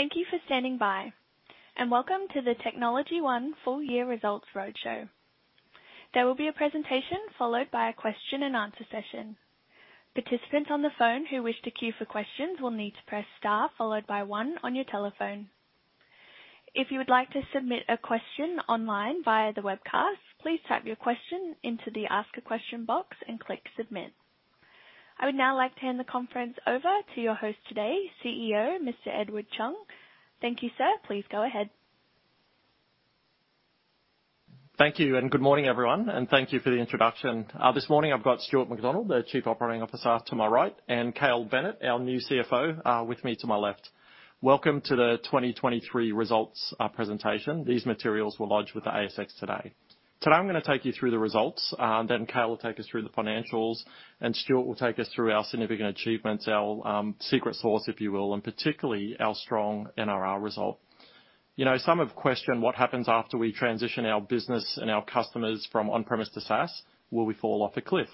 Thank you for standing by, and welcome to the TechnologyOne Full Year Results Roadshow. There will be a presentation followed by a question-and-answer session. Participants on the phone who wish to queue for questions will need to press star, followed by one on your telephone. If you would like to submit a question online via the webcast, please type your question into the Ask a Question box and click Submit. I would now like to hand the conference over to your host today, CEO, Mr. Edward Chung. Thank you, sir. Please go ahead. Thank you, and good morning, everyone, and thank you for the introduction. This morning I've got Stuart MacDonald, the Chief Operating Officer, to my right, and Cale Bennett, our new CFO, with me to my left. Welcome to the 2023 results presentation. These materials were lodged with the ASX today. Today, I'm gonna take you through the results, and then Cale will take us through the financials, and Stuart will take us through our significant achievements, our secret sauce, if you will, and particularly our strong NRR result. You know, some have questioned what happens after we transition our business and our customers from on-premise to SaaS. Will we fall off a cliff?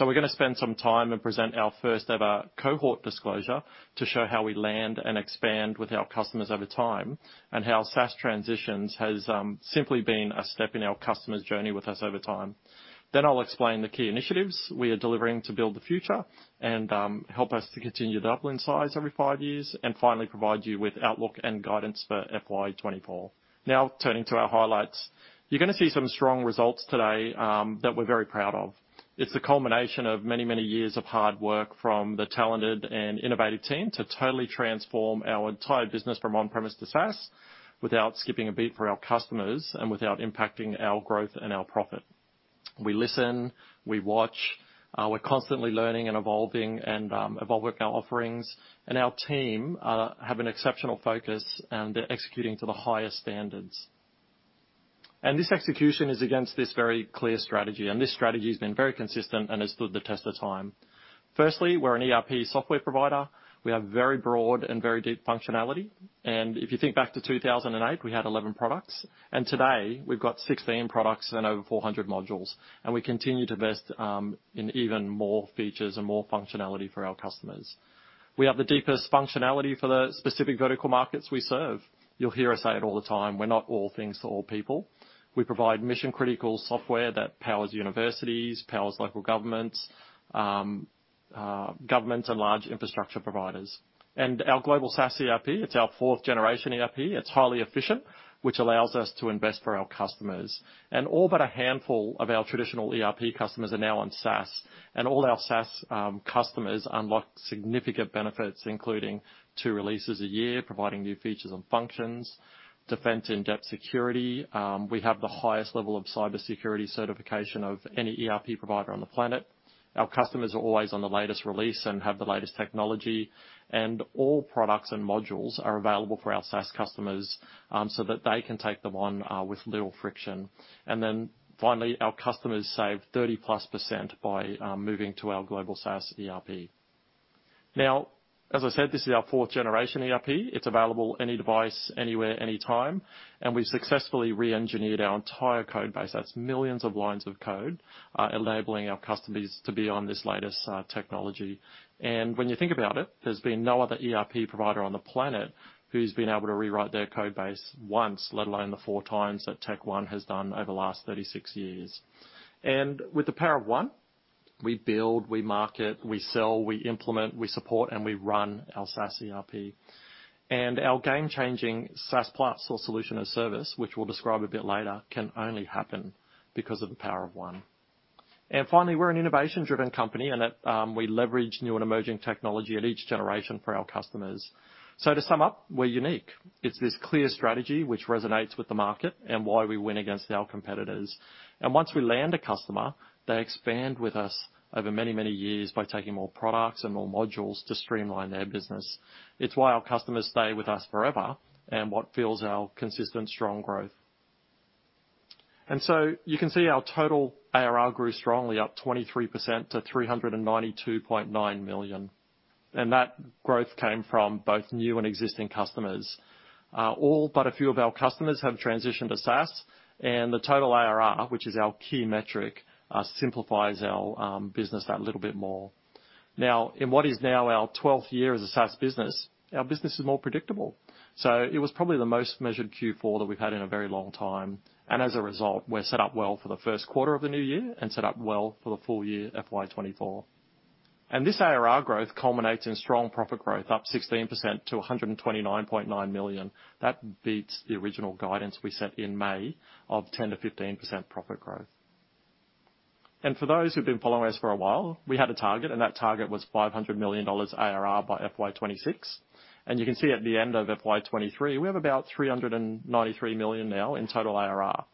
We're gonna spend some time and present our first-ever cohort disclosure to show how we land and expand with our customers over time, and how SaaS transitions has simply been a step in our customers' journey with us over time. I'll explain the key initiatives we are delivering to build the future and help us to continue doubling in size every five years, and finally provide you with outlook and guidance for FY 2024. Now, turning to our highlights. You're gonna see some strong results today that we're very proud of. It's a culmination of many, many years of hard work from the talented and innovative team to totally transform our entire business from on-premise to SaaS, without skipping a beat for our customers and without impacting our growth and our profit. We listen, we watch, we're constantly learning and evolving and, evolving our offerings. Our team have an exceptional focus, and they're executing to the highest standards. This execution is against this very clear strategy, and this strategy has been very consistent and has stood the test of time. Firstly, we're an ERP software provider. We have very broad and very deep functionality, and if you think back to 2008, we had 11 products, and today we've got 16 products and over 400 modules, and we continue to invest in even more features and more functionality for our customers. We have the deepest functionality for the specific vertical markets we serve. You'll hear us say it all the time, we're not all things to all people. We provide mission-critical software that powers universities, powers local governments, governments and large infrastructure providers. Our global SaaS ERP, it's our fourth-generation ERP. It's highly efficient, which allows us to invest for our customers. All but a handful of our traditional ERP customers are now on SaaS, and all our SaaS customers unlock significant benefits, including two releases a year, providing new features and functions, defense and depth security. We have the highest level of cybersecurity certification of any ERP provider on the planet. Our customers are always on the latest release and have the latest technology, and all products and modules are available for our SaaS customers, so that they can take them on with little friction. Finally, our customers save 30%+ by moving to our global SaaS ERP. Now, as I said, this is our fourth generation ERP. It's available any device, anywhere, anytime, and we've successfully re-engineered our entire code base. That's millions of lines of code, enabling our customers to be on this latest technology. When you think about it, there's been no other ERP provider on the planet who's been able to rewrite their code base once, let alone the four times that TechnologyOne has done over the last 36 years. With the Power of One, we build, we market, we sell, we implement, we support, and we run our SaaS ERP. Our game-changing SaaS Platform Solution as a Service, which we'll describe a bit later, can only happen because of the Power of One. Finally, we're an innovation-driven company, and that we leverage new and emerging technology at each generation for our customers. So to sum up, we're unique. It's this clear strategy which resonates with the market and why we win against our competitors. And once we land a customer, they expand with us over many, many years by taking more products and more modules to streamline their business. It's why our customers stay with us forever and what fuels our consistent, strong growth. And so you can see our total ARR grew strongly, up 23% to 392.9 million, and that growth came from both new and existing customers. All but a few of our customers have transitioned to SaaS, and the total ARR, which is our key metric, simplifies our business that little bit more. Now, in what is now our twelfth year as a SaaS business, our business is more predictable. So it was probably the most measured Q4 that we've had in a very long time, and as a result, we're set up well for the first quarter of the new year and set up well for the full year FY 2024. And this ARR growth culminates in strong profit growth, up 16% to 129.9 million. That beats the original guidance we set in May of 10%-15% profit growth. And for those who've been following us for a while, we had a target, and that target was 500 million dollars ARR by FY 2026. And you can see at the end of FY 2023, we have about 393 million now in total ARR.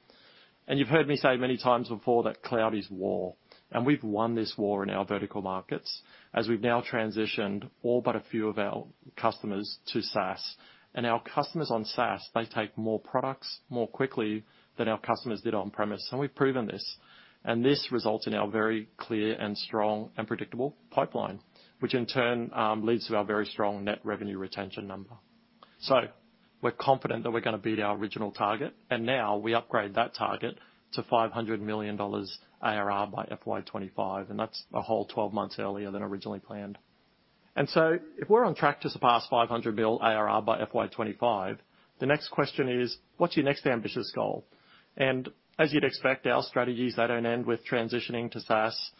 You've heard me say many times before that cloud is war, and we've won this war in our vertical markets, as we've now transitioned all but a few of our customers to SaaS. Our customers on SaaS, they take more products more quickly than our customers did on-premise, and we've proven this. This results in our very clear and strong and predictable pipeline, which in turn leads to our very strong net revenue retention number. So we're confident that we're going to beat our original target, and now we upgrade that target to 500 million dollars ARR by FY 2025, and that's a whole 12 months earlier than originally planned. So if we're on track to surpass 500 million ARR by FY 2025, the next question is: What's your next ambitious goal? As you'd expect, our strategies don't end with transitioning to SaaS.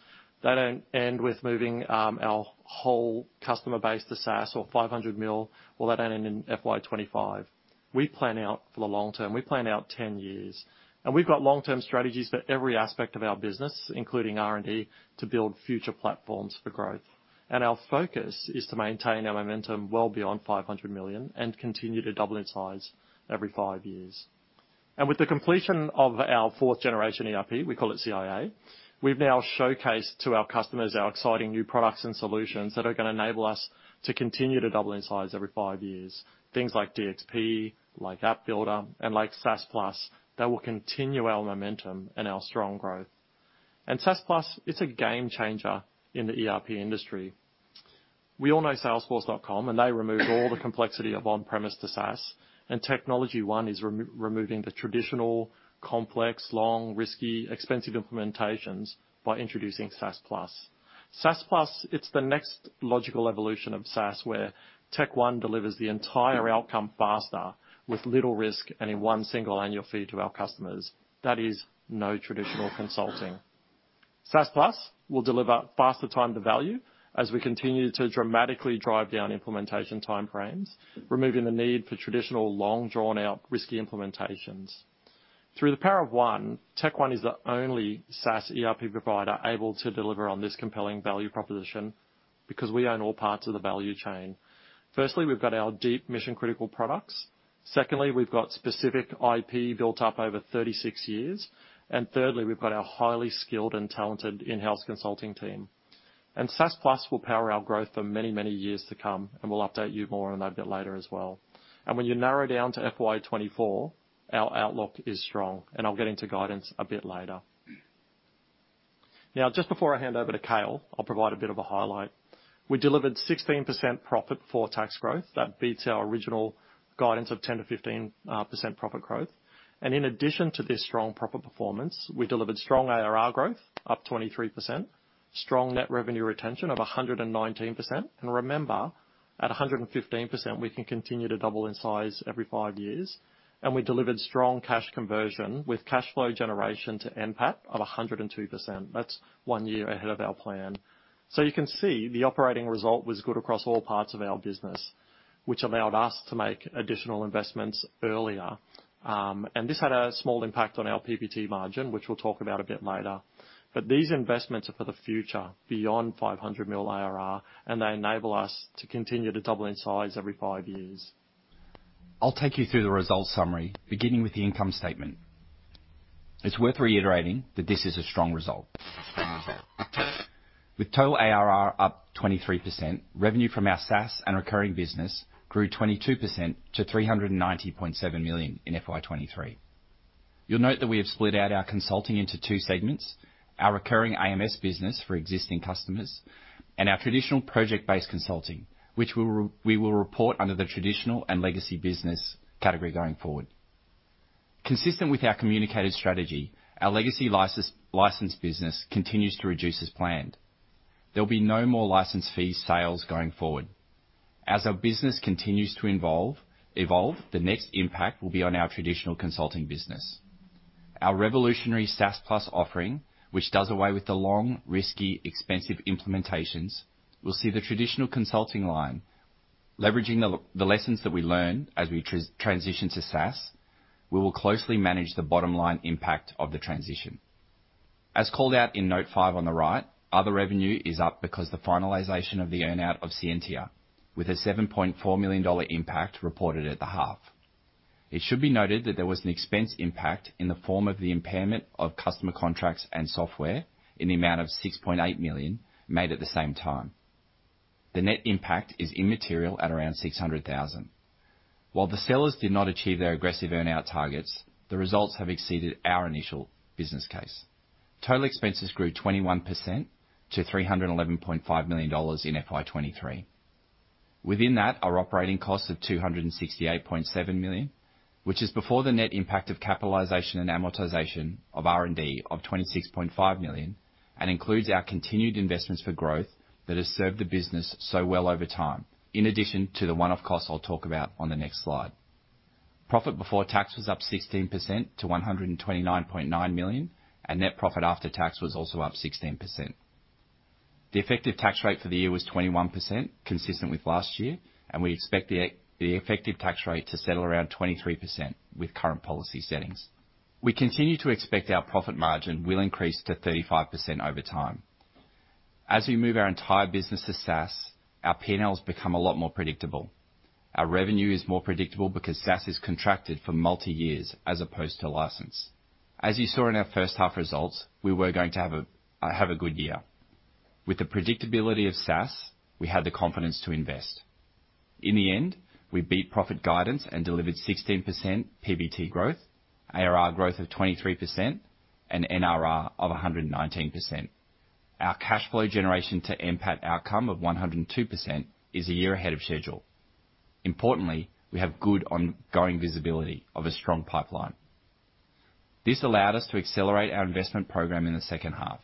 They don't end with moving our whole customer base to SaaS or 500 million or that end in FY 2025. We plan out for the long term. We plan out 10 years, and we've got long-term strategies for every aspect of our business, including R&D, to build future platforms for growth. Our focus is to maintain our momentum well beyond 500 million and continue to double in size every five years. With the completion of our fourth generation ERP, we call it CiA, we've now showcased to our customers our exciting new products and solutions that are going to enable us to continue to double in size every five years. Things like DxP, like App Builder, and like SaaS Plus, that will continue our momentum and our strong growth. And SaaS Plus, it's a game changer in the ERP industry. We all know salesforce.com, and they removed all the complexity of on-premise to SaaS, and TechnologyOne is removing the traditional, complex, long, risky, expensive implementations by introducing SaaS Plus. SaaS Plus, it's the next logical evolution of SaaS, where TechOne delivers the entire outcome faster, with little risk, and in one single annual fee to our customers. That is no traditional consulting. SaaS Plus will deliver faster time to value as we continue to dramatically drive down implementation time frames, removing the need for traditional, long, drawn-out, risky implementations. Through the Power of One, TechOne is the only SaaS ERP provider able to deliver on this compelling value proposition because we own all parts of the value chain. Firstly, we've got our deep mission-critical products. Secondly, we've got specific IP built up over 36 years. And thirdly, we've got our highly skilled and talented in-house consulting team. SaaS Plus will power our growth for many, many years to come, and we'll update you more on that a bit later as well. And when you narrow down to FY 2024, our outlook is strong, and I'll get into guidance a bit later. Now, just before I hand over to Cale, I'll provide a bit of a highlight. We delivered 16% profit before tax growth. That beats our original guidance of 10%-15% profit growth. And in addition to this strong profit performance, we delivered strong ARR growth, up 23%, strong net revenue retention of 119%. And remember, at 115%, we can continue to double in size every five years, and we delivered strong cash conversion, with cash flow generation to NPAT of 102%. That's one year ahead of our plan. So you can see the operating result was good across all parts of our business, which allowed us to make additional investments earlier. And this had a small impact on our PBT margin, which we'll talk about a bit later. But these investments are for the future, beyond 500 million ARR, and they enable us to continue to double in size every five years. I'll take you through the results summary, beginning with the income statement. It's worth reiterating that this is a strong result. With total ARR up 23%, revenue from our SaaS and recurring business grew 22% to 390.7 million in FY 2023. You'll note that we have split out our consulting into two segments, our recurring AMS business for existing customers and our traditional project-based consulting, which we will report under the traditional and legacy business category going forward. Consistent with our communicated strategy, our legacy license business continues to reduce as planned. There will be no more license fee sales going forward. As our business continues to evolve, the next impact will be on our traditional consulting business. Our revolutionary SaaS Plus offering, which does away with the long, risky, expensive implementations, will see the traditional consulting line leveraging the the lessons that we learned as we transition to SaaS. We will closely manage the bottom line impact of the transition. As called out in note five on the right, other revenue is up because the finalization of the earn-out of Scientia, with a 7.4 million dollar impact reported at the half. It should be noted that there was an expense impact in the form of the impairment of customer contracts and software in the amount of 6.8 million made at the same time. The net impact is immaterial at around 600,000. While the sellers did not achieve their aggressive earn-out targets, the results have exceeded our initial business case. Total expenses grew 21% to 311.5 million dollars in FY 2023. Within that, our operating costs of 268.7 million, which is before the net impact of capitalization and amortization of R&D of 26.5 million, and includes our continued investments for growth that has served the business so well over time, in addition to the one-off costs I'll talk about on the next slide. Profit before tax was up 16% to 129.9 million, and net profit after tax was also up 16%. The effective tax rate for the year was 21%, consistent with last year, and we expect the effective tax rate to settle around 23% with current policy settings. We continue to expect our profit margin will increase to 35% over time. As we move our entire business to SaaS, our P&Ls become a lot more predictable. Our revenue is more predictable because SaaS is contracted for multiyears as opposed to license. As you saw in our first half results, we were going to have a good year. With the predictability of SaaS, we had the confidence to invest. In the end, we beat profit guidance and delivered 16% PBT growth, ARR growth of 23%, and NRR of 119%.... Our cash flow generation to NPAT outcome of 102% is a year ahead of schedule. Importantly, we have good ongoing visibility of a strong pipeline. This allowed us to accelerate our investment program in the second half.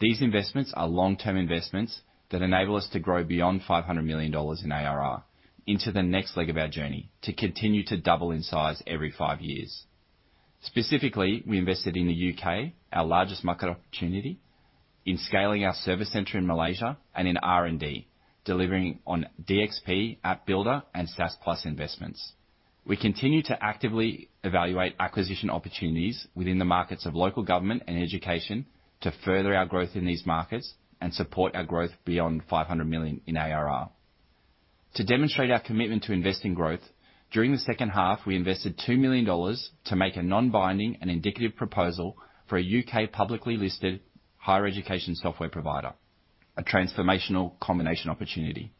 These investments are long-term investments that enable us to grow beyond 500 million dollars in ARR into the next leg of our journey, to continue to double in size every five years. Specifically, we invested in the UK, our largest market opportunity, in scaling our service center in Malaysia, and in R&D, delivering on DXP, App Builder, and SaaS Plus investments. We continue to actively evaluate acquisition opportunities within the markets of local government and education, to further our growth in these markets and support our growth beyond 500 million in ARR. To demonstrate our commitment to investing growth, during the second half, we invested 2 million dollars to make a non-binding and indicative proposal for a UK publicly listed higher education software provider, a transformational combination opportunity.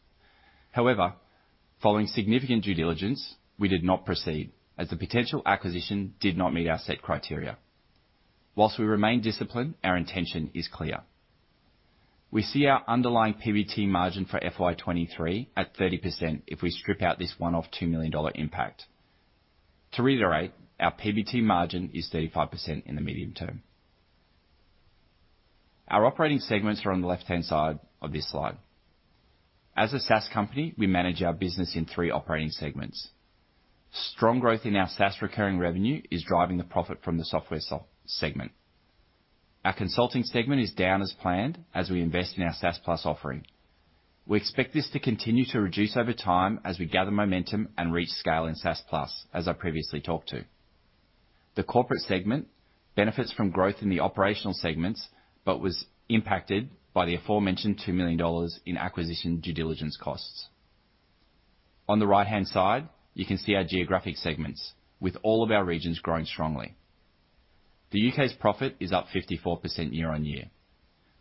However, following significant due diligence, we did not proceed, as the potential acquisition did not meet our set criteria. While we remain disciplined, our intention is clear. We see our underlying PBT margin for FY 2023 at 30% if we strip out this one-off 2 million dollar impact. To reiterate, our PBT margin is 35% in the medium term. Our operating segments are on the left-hand side of this slide. As a SaaS company, we manage our business in three operating segments. Strong growth in our SaaS recurring revenue is driving the profit from the software segment. Our consulting segment is down as planned as we invest in our SaaS Plus offering. We expect this to continue to reduce over time as we gather momentum and reach scale in SaaS Plus, as I previously talked to. The corporate segment benefits from growth in the operational segments, but was impacted by the aforementioned 2 million dollars in acquisition due diligence costs. On the right-hand side, you can see our geographic segments, with all of our regions growing strongly. The UK's profit is up 54% year-over-year.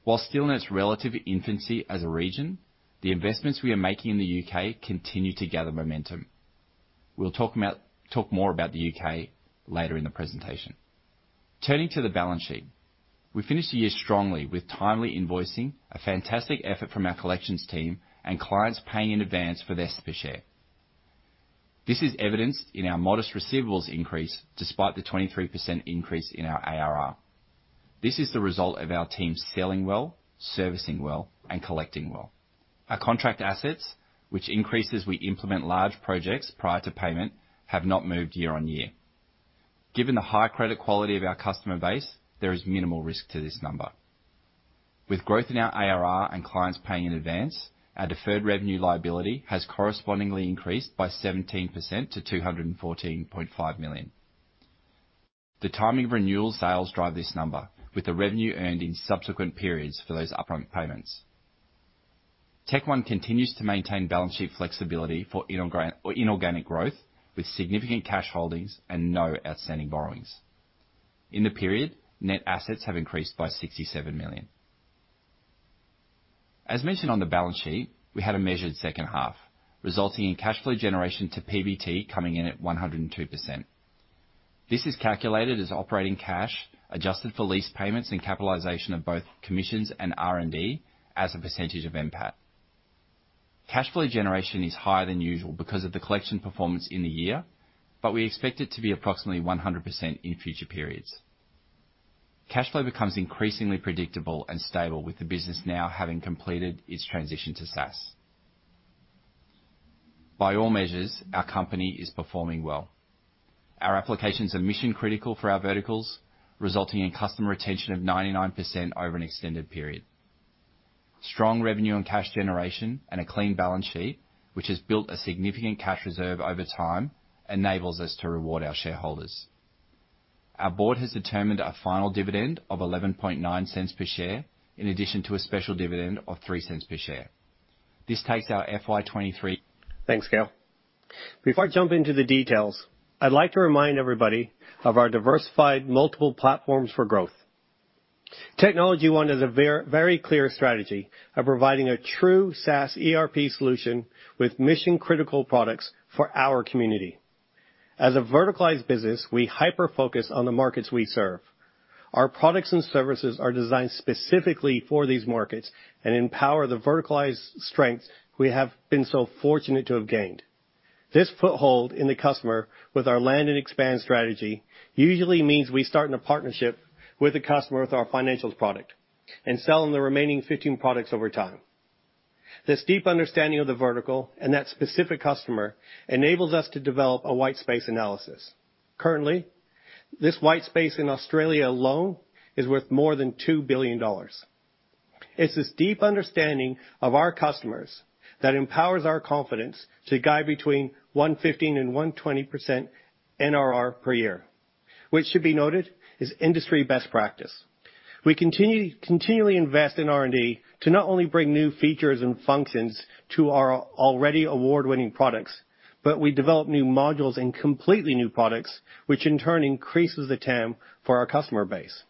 While still in its relative infancy as a region, the investments we are making in the UK continue to gather momentum. We'll talk more about the UK later in the presentation. Turning to the balance sheet, we finished the year strongly with timely invoicing, a fantastic effort from our collections team, and clients paying in advance for their share. This is evidenced in our modest receivables increase, despite the 23% increase in our ARR. This is the result of our team selling well, servicing well, and collecting well. Our contract assets, which increases as we implement large projects prior to payment, have not moved year-over-year. Given the high credit quality of our customer base, there is minimal risk to this number. With growth in our ARR and clients paying in advance, our deferred revenue liability has correspondingly increased by 17% to 214.5 million. The timing of renewal sales drive this number, with the revenue earned in subsequent periods for those upfront payments. TechOne continues to maintain balance sheet flexibility for inorganic growth, with significant cash holdings and no outstanding borrowings. In the period, net assets have increased by 67 million. As mentioned on the balance sheet, we had a measured second half, resulting in cash flow generation to PBT coming in at 102%. This is calculated as operating cash, adjusted for lease payments and capitalization of both commissions and R&D as a percentage of NPAT. Cash flow generation is higher than usual because of the collection performance in the year, but we expect it to be approximately 100% in future periods. Cash flow becomes increasingly predictable and stable with the business now having completed its transition to SaaS. By all measures, our company is performing well. Our applications are mission-critical for our verticals, resulting in customer retention of 99% over an extended period. Strong revenue and cash generation and a clean balance sheet, which has built a significant cash reserve over time, enables us to reward our shareholders. Our board has determined a final dividend of 0.119 per share, in addition to a special dividend of 0.03 per share. This takes our FY 2023- Thanks, Cale. Before I jump into the details, I'd like to remind everybody of our diversified multiple platforms for growth. TechnologyOne has a very clear strategy of providing a true SaaS ERP solution with mission-critical products for our community. As a verticalized business, we hyper-focus on the markets we serve. Our products and services are designed specifically for these markets and empower the verticalized strengths we have been so fortunate to have gained. This foothold in the customer with our land and expand strategy usually means we start in a partnership with the customer, with our Financials product, and sell them the remaining 15 products over time. This deep understanding of the vertical and that specific customer enables us to develop a White Space Analysis. Currently, this white space in Australia alone is worth more than AUD 2 billion. It's this deep understanding of our customers that empowers our confidence to guide between 115%-120% NRR per year, which should be noted, is industry best practice. We continually invest in R&D to not only bring new features and functions to our already award-winning products, but we develop new modules and completely new products, which in turn increases the TAM for our customer base.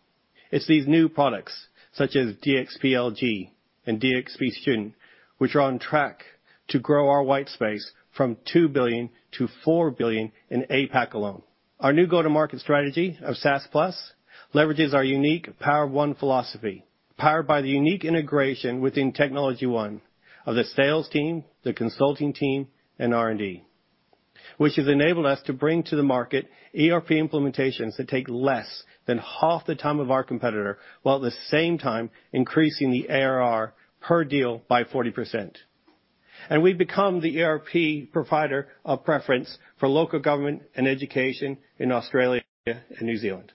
It's these new products, such as DxP LG and DxP Student, which are on track to grow our white space from 2 billion to 4 billion in APAC alone. Our new go-to-market strategy of SaaS Plus leverages our unique Power of One philosophy, powered by the unique integration within TechnologyOne, of the sales team, the consulting team, and R&D, which has enabled us to bring to the market ERP implementations that take less than half the time of our competitor, while at the same time increasing the ARR per deal by 40%. We've become the ERP provider of preference for local government and education in Australia and New Zealand.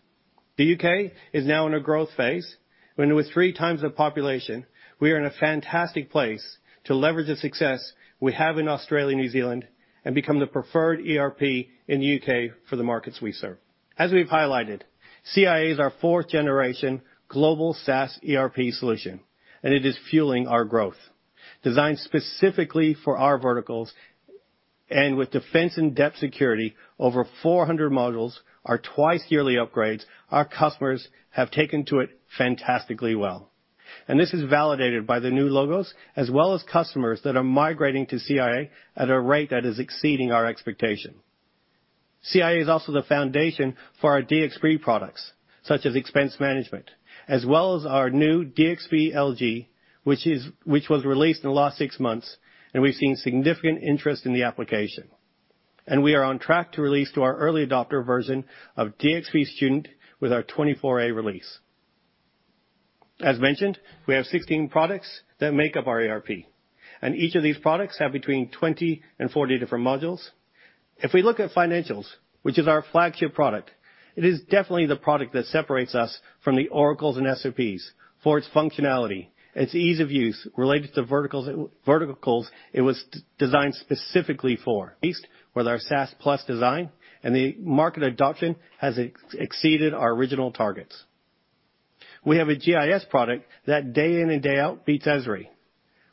The UK is now in a growth phase, and with three times the population, we are in a fantastic place to leverage the success we have in Australia and New Zealand and become the preferred ERP in the UK for the markets we serve. As we've highlighted, CiA is our fourth generation global SaaS ERP solution, and it is fueling our growth. Designed specifically for our verticals and with defense-in-depth security, over 400 modules, our twice-yearly upgrades, our customers have taken to it fantastically well, and this is validated by the new logos as well as customers that are migrating to CiA at a rate that is exceeding our expectation. CiA is also the foundation for our DXP products, such as Expense Management, as well as our new DXP LG, which was released in the last six months, and we've seen significant interest in the application. We are on track to release to our early adopter version of DXP Student with our 24A release. As mentioned, we have 16 products that make up our ERP, and each of these products have between 20 and 40 different modules. If we look at Financials, which is our flagship product, it is definitely the product that separates us from the Oracles and SAPs for its functionality, its ease of use related to verticals it was designed specifically for. With our SaaS Plus design, and the market adoption has exceeded our original targets. We have a GIS product that day in and day out beats Esri.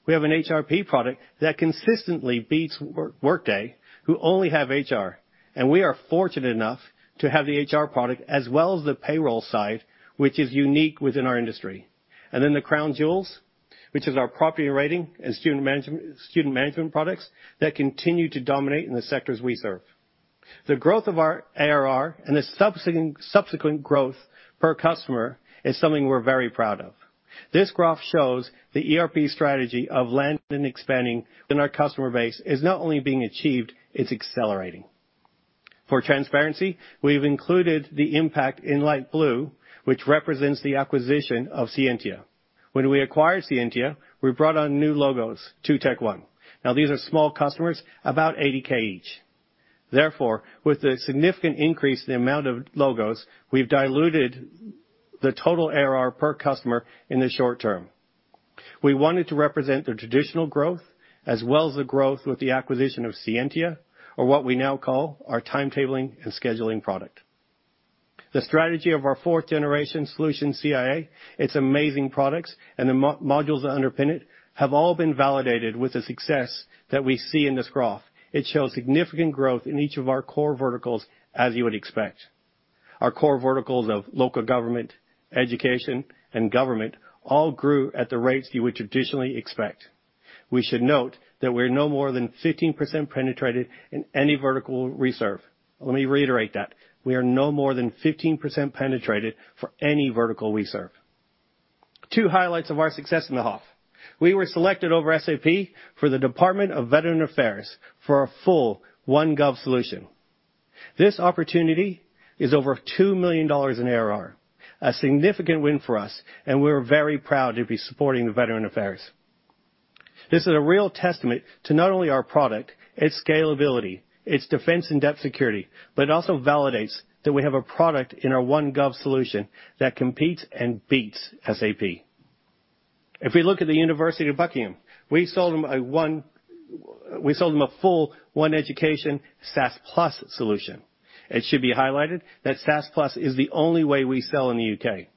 We have an HRP product that consistently beats Workday, who only have HR, and we are fortunate enough to have the HR product as well as the payroll side, which is unique within our industry. And then the crown jewels, which is our property rating and student management products, that continue to dominate in the sectors we serve. The growth of our ARR and the subsequent growth per customer is something we're very proud of. This graph shows the ERP strategy of landing and expanding in our customer base is not only being achieved, it's accelerating. For transparency, we've included the impact in light blue, which represents the acquisition of Scientia. When we acquired Scientia, we brought on new logos to TechnologyOne. Now, these are small customers, about 80,000 each. Therefore, with a significant increase in the amount of logos, we've diluted the total ARR per customer in the short term. We wanted to represent the traditional growth as well as the growth with the acquisition of Scientia, or what we now call our Timetabling & Scheduling product. The strategy of our fourth-generation solution, CiA, its amazing products, and the modules that underpin it, have all been validated with the success that we see in this graph. It shows significant growth in each of our core verticals, as you would expect. Our core verticals of local government, education, and government all grew at the rates you would traditionally expect. We should note that we're no more than 15% penetrated in any vertical we serve. Let me reiterate that. We are no more than 15% penetrated for any vertical we serve. Two highlights of our success in the half. We were selected over SAP for the Department of Veterans Affairs for a full OneGovernment solution. This opportunity is over 2 million dollars in ARR, a significant win for us, and we're very proud to be supporting the Veterans Affairs. This is a real testament to not only our product, its scalability, its defense in-depth security, but it also validates that we have a product in our OneGovernment solution that competes and beats SAP. If we look at the University of Buckingham, we sold them a One... We sold them a full OneEducation SaaS Plus solution. It should be highlighted that SaaS Plus is the only way we sell in the UK.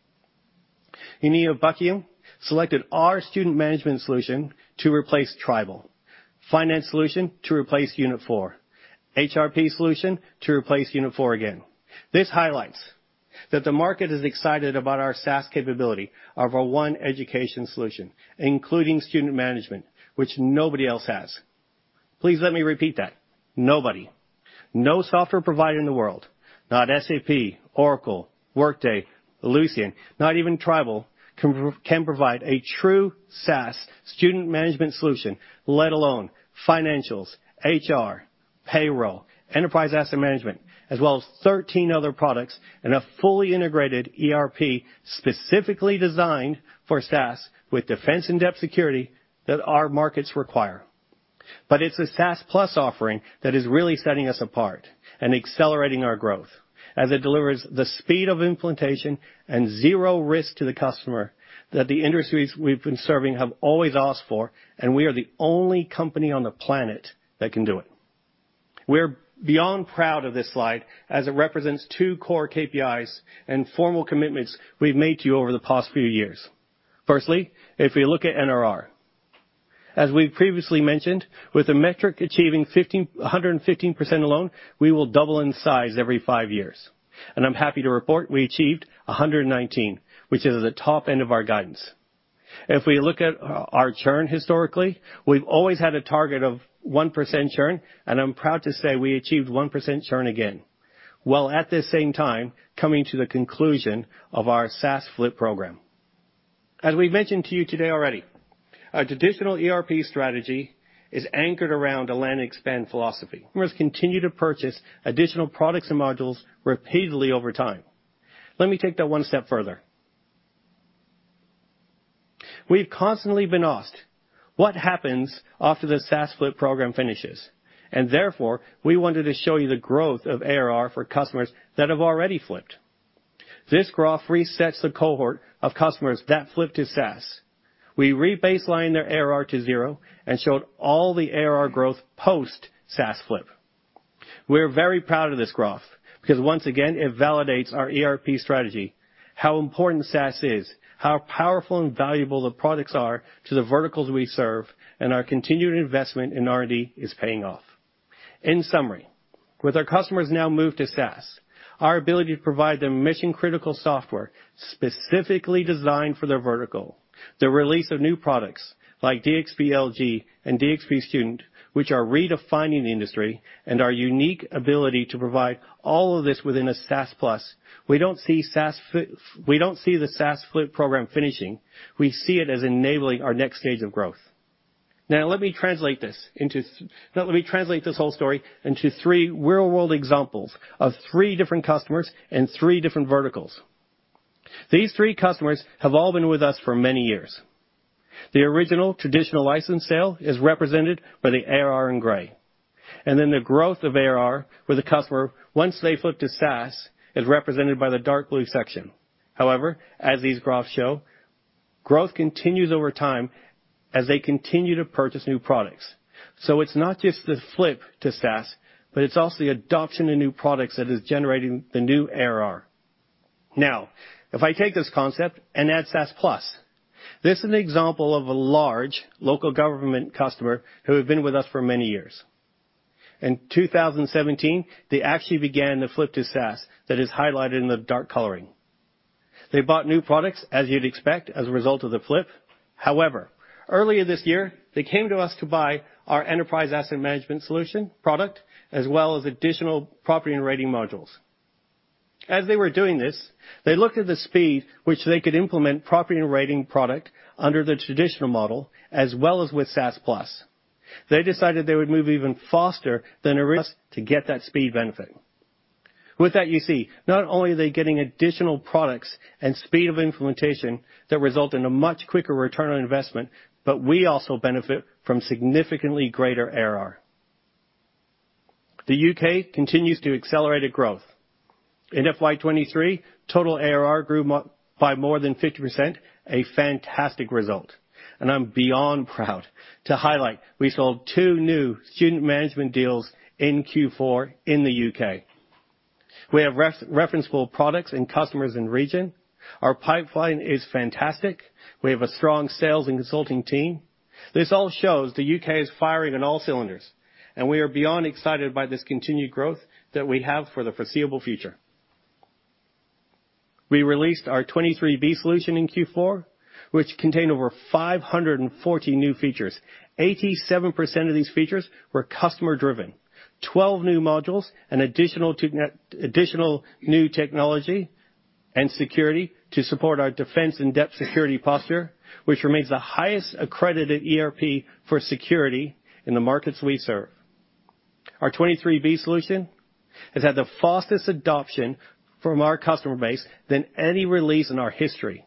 The Uni of Buckingham selected our Student Management Solution to replace Tribal, finance solution to replace Unit4, HRP solution to replace Unit4 again. This highlights that the market is excited about our SaaS capability of our OneEducation solution, including student management, which nobody else has. Please let me repeat that. Nobody, no software provider in the world, not SAP, Oracle, Workday, Ellucian, not even Tribal, can can provide a true SaaS Student Management Solution, let alone financials, HR, payroll, enterprise asset management, as well as 13 other products in a fully integrated ERP specifically designed for SaaS with defense in-depth security that our markets require. But it's a SaaS Plus offering that is really setting us apart and accelerating our growth as it delivers the speed of implementation and zero risk to the customer that the industries we've been serving have always asked for, and we are the only company on the planet that can do it. We're beyond proud of this slide as it represents two core KPIs and formal commitments we've made to you over the past few years. Firstly, if we look at NRR, as we've previously mentioned, with the metric achieving 115% alone, we will double in size every five years, and I'm happy to report we achieved 119%, which is at the top end of our guidance. If we look at our churn historically, we've always had a target of 1% churn, and I'm proud to say we achieved 1% churn again, while at the same time coming to the conclusion of our SaaS flip program. As we've mentioned to you today already, our traditional ERP strategy is anchored around a land expand philosophy, must continue to purchase additional products and modules repeatedly over time. Let me take that one step further. We've constantly been asked, "What happens after the SaaS flip program finishes?" Therefore, we wanted to show you the growth of ARR for customers that have already flipped. This graph resets the cohort of customers that flipped to SaaS. We rebaseline their ARR to zero and showed all the ARR growth post SaaS flip. We're very proud of this growth, because once again, it validates our ERP strategy, how important SaaS is, how powerful and valuable the products are to the verticals we serve, and our continued investment in R&D is paying off. In summary, with our customers now moved to SaaS, our ability to provide them mission-critical software specifically designed for their vertical, the release of new products like DxP LG and DxP Student, which are redefining the industry, and our unique ability to provide all of this within a SaaS Plus, we don't see the SaaS flip program finishing. We see it as enabling our next stage of growth. Now, let me translate this whole story into three real-world examples of three different customers and three different verticals. These three customers have all been with us for many years. The original traditional license sale is represented by the ARR in gray, and then the growth of ARR with the customer, once they flip to SaaS, is represented by the dark blue section. However, as these graphs show, growth continues over time as they continue to purchase new products. It's not just the flip to SaaS, but it's also the adoption of new products that is generating the new ARR. Now, if I take this concept and add SaaS Plus, this is an example of a large local government customer who have been with us for many years. In 2017, they actually began to flip to SaaS. That is highlighted in the dark coloring. They bought new products, as you'd expect, as a result of the flip. However, earlier this year, they came to us to buy our Enterprise Asset Management solution product, as well as additional Property and Rating modules. As they were doing this, they looked at the speed which they could implement Property and Rating product under the traditional model, as well as with SaaS Plus. They decided they would move even faster than originally to get that speed benefit. With that, you see, not only are they getting additional products and speed of implementation that result in a much quicker return on investment, but we also benefit from significantly greater ARR. The UK continues to accelerate its growth. In FY 23, total ARR grew by more than 50%, a fantastic result. And I'm beyond proud to highlight, we sold two new Student Management deals in Q4 in the UK. We have referenceable products and customers in the region. Our pipeline is fantastic. We have a strong sales and consulting team. This all shows the UK is firing on all cylinders, and we are beyond excited by this continued growth that we have for the foreseeable future. We released our 23B solution in Q4, which contained over 540 new features. 87% of these features were customer-driven. 12 new modules and additional new technology and security to support our defense and depth security posture, which remains the highest accredited ERP for security in the markets we serve. Our 23B solution has had the fastest adoption from our customer base than any release in our history.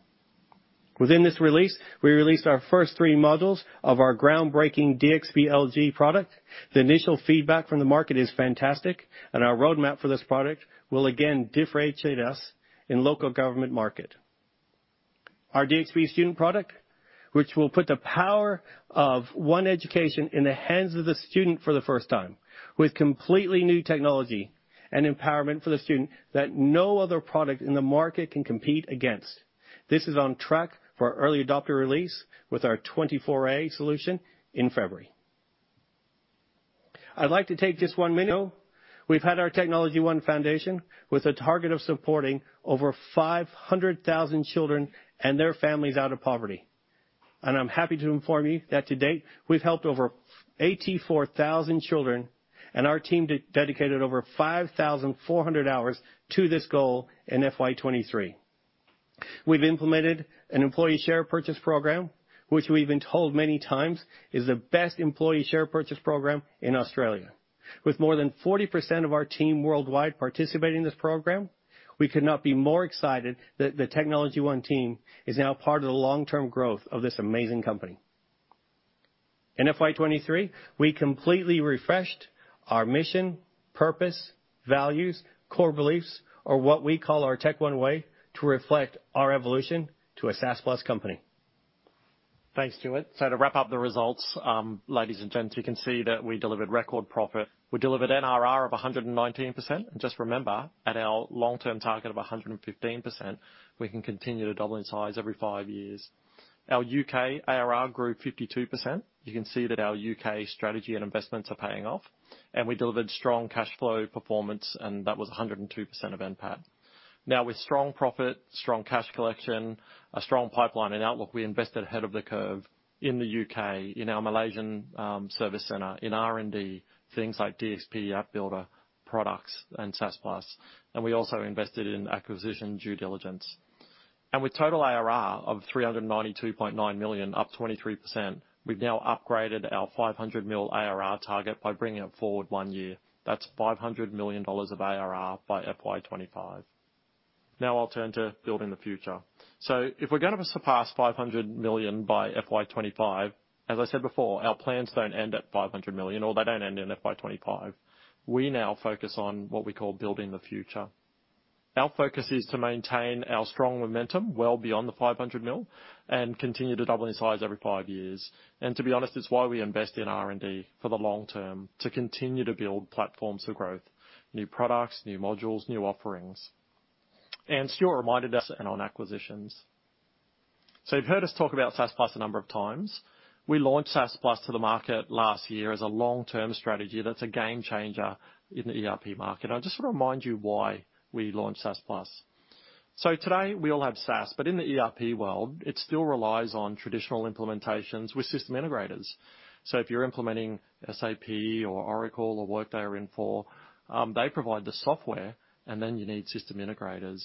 Within this release, we released our first three modules of our groundbreaking DxP LG product. The initial feedback from the market is fantastic, and our roadmap for this product will again differentiate us in local government market. Our DxP Student product, which will put the power of OneEducation in the hands of the student for the first time, with completely new technology and empowerment for the student that no other product in the market can compete against. This is on track for early adopter release with our 2024A solution in February. I'd like to take just one minute. We've had our TechnologyOne Foundation with a target of supporting over 500,000 children and their families out of poverty, and I'm happy to inform you that to date, we've helped over 84,000 children, and our team dedicated over 5,400 hours to this goal in FY 2023. We've implemented an employee share purchase program, which we've been told many times is the best employee share purchase program in Australia. With more than 40% of our team worldwide participating in this program, we could not be more excited that the TechnologyOne team is now part of the long-term growth of this amazing company. In FY 2023, we completely refreshed our mission, purpose, values, core beliefs, or what we call our TechOne Way, to reflect our evolution to a SaaS Plus company. Thanks, Stuart. To wrap up the results, ladies and gents, you can see that we delivered record profit. We delivered NRR of 119%. Just remember, at our long-term target of 115%, we can continue to double in size every five years. Our U.K. ARR grew 52%. You can see that our U.K. strategy and investments are paying off, and we delivered strong cash flow performance, and that was 102% of NPAT. Now, with strong profit, strong cash collection, a strong pipeline and outlook, we invested ahead of the curve in the U.K., in our Malaysian service center, in R&D, things like DxP App Builder, products, and SaaS Plus, and we also invested in acquisition due diligence.... With total ARR of 392.9 million, up 23%, we've now upgraded our 500 mil ARR target by bringing it forward one year. That's 500 million dollars of ARR by FY 2025. Now I'll turn to building the future. So if we're going to surpass 500 million by FY 2025, as I said before, our plans don't end at 500 million, or they don't end in FY 2025. We now focus on what we call building the future. Our focus is to maintain our strong momentum well beyond the 500 mil, and continue to double in size every five years. And to be honest, it's why we invest in R&D for the long term, to continue to build platforms for growth, new products, new modules, new offerings, and Stuart reminded us, and on acquisitions. You've heard us talk about SaaS Plus a number of times. We launched SaaS Plus to the market last year as a long-term strategy that's a game changer in the ERP market. I just want to remind you why we launched SaaS Plus. Today, we all have SaaS, but in the ERP world, it still relies on traditional implementations with system integrators. If you're implementing SAP or Oracle or Infor, they provide the software, and then you need system integrators.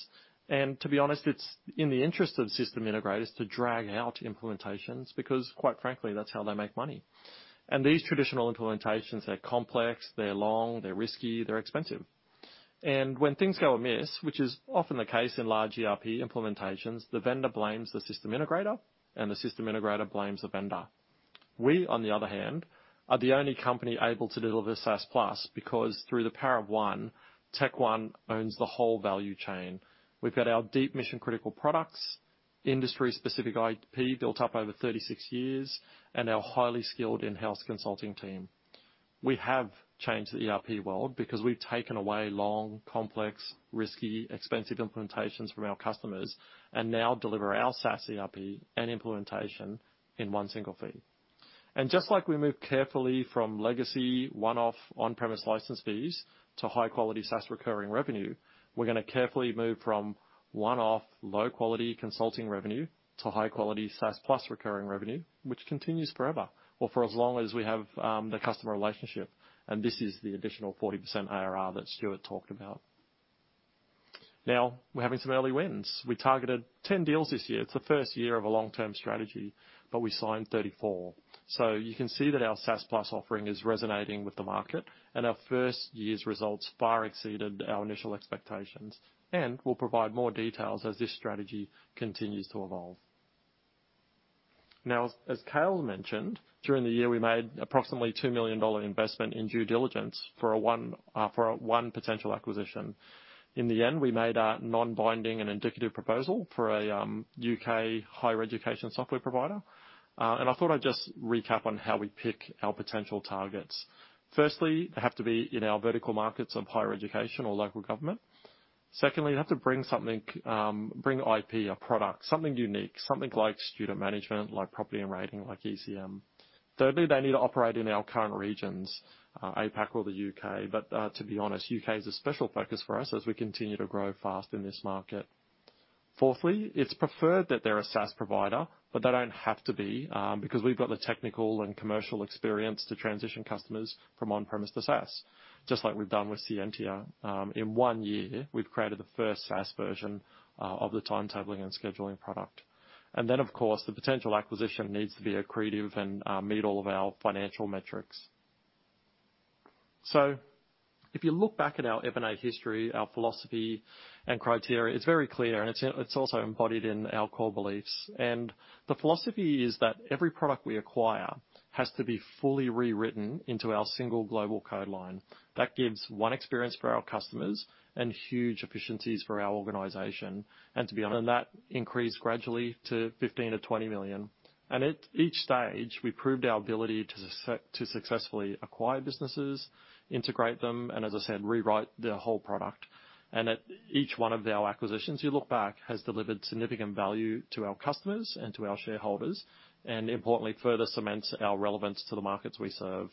To be honest, it's in the interest of system integrators to drag out implementations because, quite frankly, that's how they make money. These traditional implementations, they're complex, they're long, they're risky, they're expensive. When things go amiss, which is often the case in large ERP implementations, the vendor blames the system integrator, and the system integrator blames the vendor. We, on the other hand, are the only company able to deliver SaaS Plus, because through the Power of One, TechOne owns the whole value chain. We've got our deep mission-critical products, industry-specific IP built up over 36 years, and our highly skilled in-house consulting team. We have changed the ERP world because we've taken away long, complex, risky, expensive implementations from our customers and now deliver our SaaS ERP and implementation in one single fee. And just like we moved carefully from legacy, one-off, on-premise license fees to high-quality SaaS recurring revenue, we're going to carefully move from one-off, low-quality consulting revenue to high-quality SaaS Plus recurring revenue, which continues forever, or for as long as we have, the customer relationship, and this is the additional 40% ARR that Stuart talked about. Now, we're having some early wins. We targeted 10 deals this year. It's the first year of a long-term strategy, but we signed 34. So you can see that our SaaS Plus offering is resonating with the market, and our first year's results far exceeded our initial expectations, and we'll provide more details as this strategy continues to evolve. Now, as Cale mentioned, during the year, we made approximately 2 million dollar investment in due diligence for one potential acquisition. In the end, we made a non-binding and indicative proposal for a UK higher education software provider. And I thought I'd just recap on how we pick our potential targets. Firstly, they have to be in our vertical markets of higher education or local government. Secondly, they have to bring something, bring IP, a product, something unique, something like Student Management, like Property and Rating, like ECM. Thirdly, they need to operate in our current regions, APAC or the UK, but, to be honest, UK is a special focus for us as we continue to grow fast in this market. Fourthly, it's preferred that they're a SaaS provider, but they don't have to be, because we've got the technical and commercial experience to transition customers from on-premise to SaaS, just like we've done with Scientia. In one year, we've created the first SaaS version of the Timetabling and Scheduling product. And then, of course, the potential acquisition needs to be accretive and meet all of our financial metrics. So if you look back at our M&A history, our philosophy and criteria, it's very clear, and it's also embodied in our core beliefs. The philosophy is that every product we acquire has to be fully rewritten into our single global code line. That gives one experience for our customers and huge efficiencies for our organization. And to be honest, that increased gradually to 15 million-20 million. And at each stage, we proved our ability to successfully acquire businesses, integrate them, and as I said, rewrite the whole product. And at each one of our acquisitions, you look back, has delivered significant value to our customers and to our shareholders, and importantly, further cements our relevance to the markets we serve.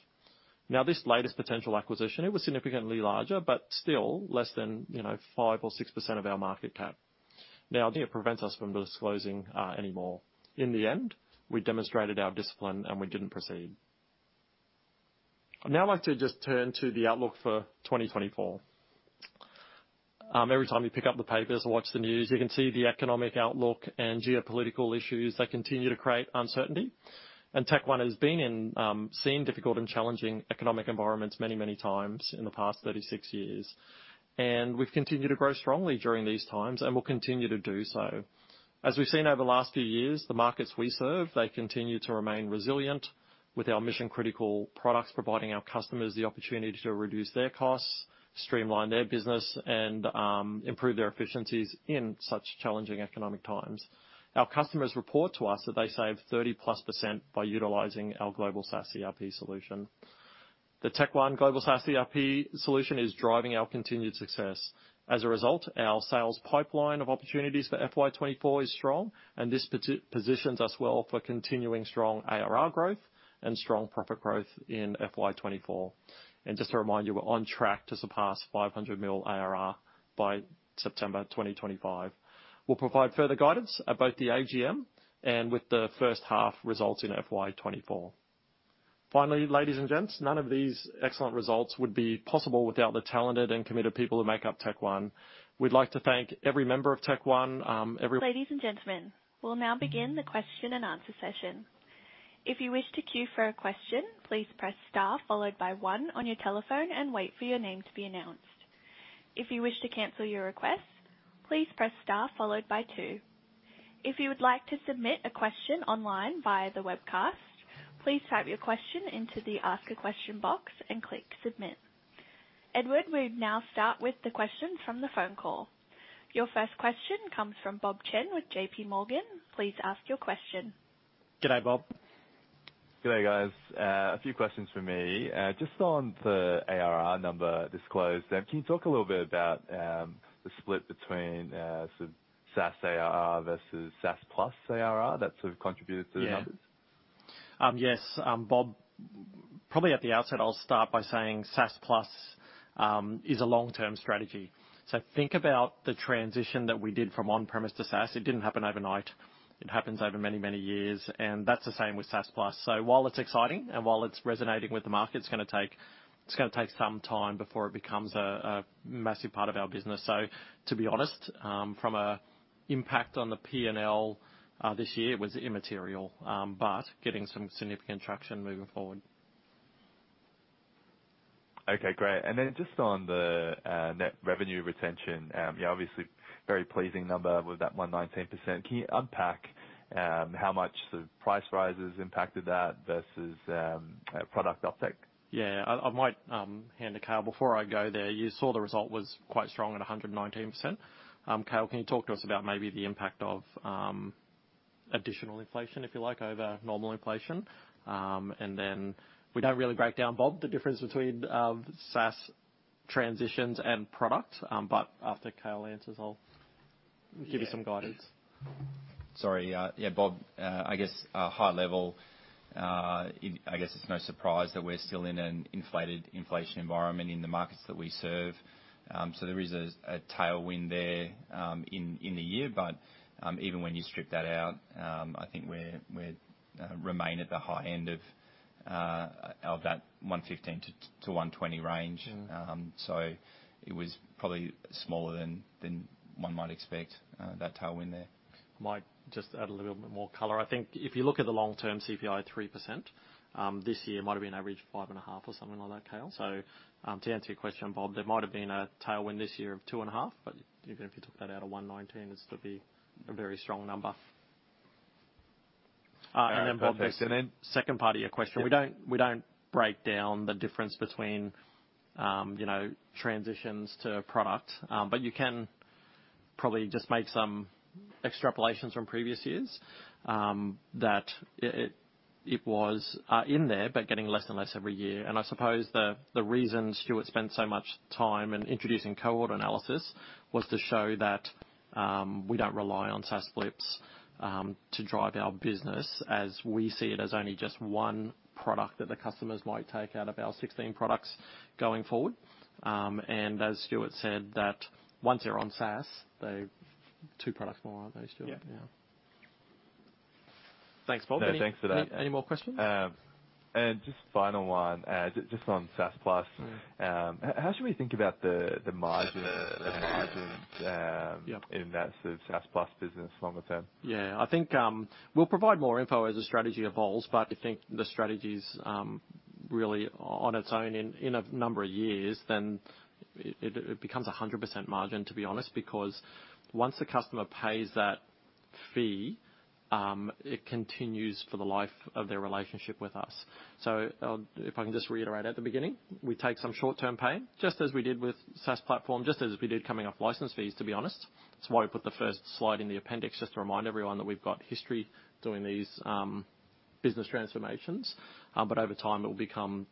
Now, this latest potential acquisition, it was significantly larger, but still less than, you know, 5% or 6% of our market cap. Now, I think it prevents us from disclosing any more. In the end, we demonstrated our discipline, and we didn't proceed. I'd now like to just turn to the outlook for 2024. Every time you pick up the papers or watch the news, you can see the economic outlook and geopolitical issues that continue to create uncertainty. TechnologyOne has been in, seen difficult and challenging economic environments many, many times in the past 36 years, and we've continued to grow strongly during these times and will continue to do so. As we've seen over the last few years, the markets we serve, they continue to remain resilient with our mission-critical products, providing our customers the opportunity to reduce their costs, streamline their business, and improve their efficiencies in such challenging economic times. Our customers report to us that they save 30+% by utilizing our global SaaS ERP solution. The TechnologyOne global SaaS ERP solution is driving our continued success. As a result, our sales pipeline of opportunities for FY 2024 is strong, and this positions us well for continuing strong ARR growth and strong profit growth in FY 2024. And just to remind you, we're on track to surpass 500 million ARR by September 2025. We'll provide further guidance at both the AGM and with the first half results in FY 2024.... Finally, ladies and gents, none of these excellent results would be possible without the talented and committed people who make up TechnologyOne. We'd like to thank every member of TechnologyOne, every- Ladies and gentlemen, we'll now begin the question and answer session. If you wish to queue for a question, please press star followed by one on your telephone and wait for your name to be announced. If you wish to cancel your request, please press star followed by two. If you would like to submit a question online via the webcast, please type your question into the Ask a Question box and click Submit. Edward, we'll now start with the questions from the phone call. Your first question comes from Bob Chen with JP Morgan. Please ask your question. G'day, Bob. G'day, guys. A few questions from me. Just on the ARR number disclosed, can you talk a little bit about the split between sort of SaaS ARR versus SaaS Plus ARR that sort of contributed to the numbers? Yeah. Yes. Bob, probably at the outset, I'll start by saying SaaS Plus is a long-term strategy. So think about the transition that we did from on-premise to SaaS. It didn't happen overnight. It happens over many, many years, and that's the same with SaaS Plus. So while it's exciting and while it's resonating with the market, it's gonna take some time before it becomes a massive part of our business. So to be honest, from a impact on the PNL, this year, it was immaterial, but getting some significant traction moving forward. Okay, great. And then just on the net revenue retention, yeah, obviously very pleasing number with that 119%. Can you unpack how much the price rises impacted that versus product uptake? Yeah. I might hand to Cale. Before I go there, you saw the result was quite strong at 119%. Cale, can you talk to us about maybe the impact of additional inflation, if you like, over normal inflation? And then we don't really break down, Bob, the difference between SaaS transitions and product. But after Cale answers, I'll give you some guidance. Sorry, yeah, Bob, I guess, high level, it... I guess it's no surprise that we're still in an inflated inflation environment in the markets that we serve. There is a tailwind there in the year, but even when you strip that out, I think we remain at the high end of that 115-120 range. Mm. It was probably smaller than, than one might expect, that tailwind there. I might just add a little bit more color. I think if you look at the long-term CPI, 3%, this year might have been average 5.5 or something like that, Cale. So, to answer your question, Bob, there might have been a tailwind this year of 2.5, but even if you took that out of 119, it'd still be a very strong number. All right, perfect. Then, Bob, the second part of your question— Yeah. We don't, we don't break down the difference between, you know, transitions to product. You can probably just make some extrapolations from previous years. It was in there, but getting less and less every year. I suppose the reason Stuart spent so much time in introducing cohort analysis was to show that we don't rely on SaaS flips to drive our business as we see it as only just one product that the customers might take out of our 16 products going forward. As Stuart said, once you're on SaaS, they're two products more, aren't they, Stuart? Yeah. Yeah. Thanks, Bob. Thanks for that. Any more questions? And just final one, just on SaaS Plus. Mm. How should we think about the margin, the margin? Yeah... in that sort of SaaS Plus business longer term? Yeah. I think we'll provide more info as the strategy evolves. I think the strategy's really on its own in a number of years, then it becomes 100% margin, to be honest, because once the customer pays that fee, it continues for the life of their relationship with us. I'll... If I can just reiterate at the beginning, we take some short-term pain, just as we did with SaaS platform, just as we did coming off license fees, to be honest. That's why we put the first slide in the appendix, just to remind everyone that we've got history doing these business transformations. Over time, it will become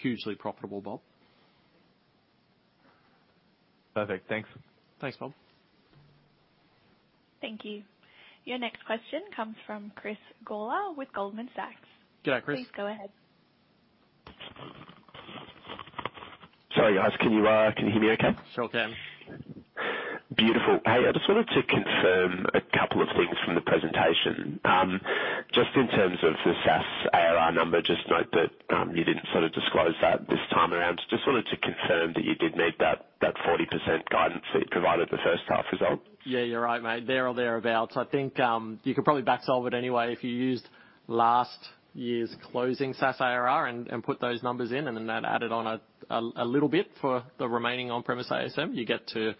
hugely profitable, Bob. Perfect. Thanks. Thanks, Bob. Thank you. Your next question comes from Chris Golla with Goldman Sachs. G'day, Chris. Please go ahead. Sorry, guys, can you, can you hear me okay? Sure can. Beautiful. Hey, I just wanted to confirm a couple of things from the presentation. Just in terms of the SaaS ARR number, just note that, you didn't sort of disclose that this time around. Just wanted to confirm that you did meet that, that 40% guidance that you provided the first half result. Yeah, you're right, mate. There or thereabouts. I think you could probably back solve it anyway if you used last year's closing SaaS ARR and put those numbers in, and then that added on a little bit for the remaining on-premise EAM, you get to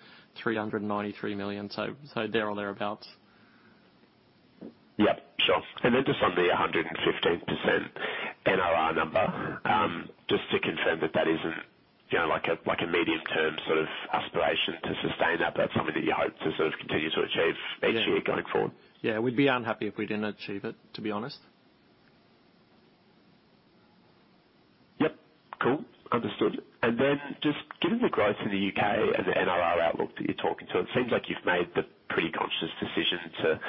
393 million. So there or thereabouts. Yep, sure. And then just on the 115% NRR number, just to confirm that that isn't, you know, like a, like a medium-term sort of aspiration to sustain that, that's something that you hope to sort of continue to achieve each year? Yeah... going forward? Yeah, we'd be unhappy if we didn't achieve it, to be honest. Yep. Cool. Understood. And then just given the growth in the UK and the NRR outlook that you're talking to, it seems like you've made the pretty conscious decision to,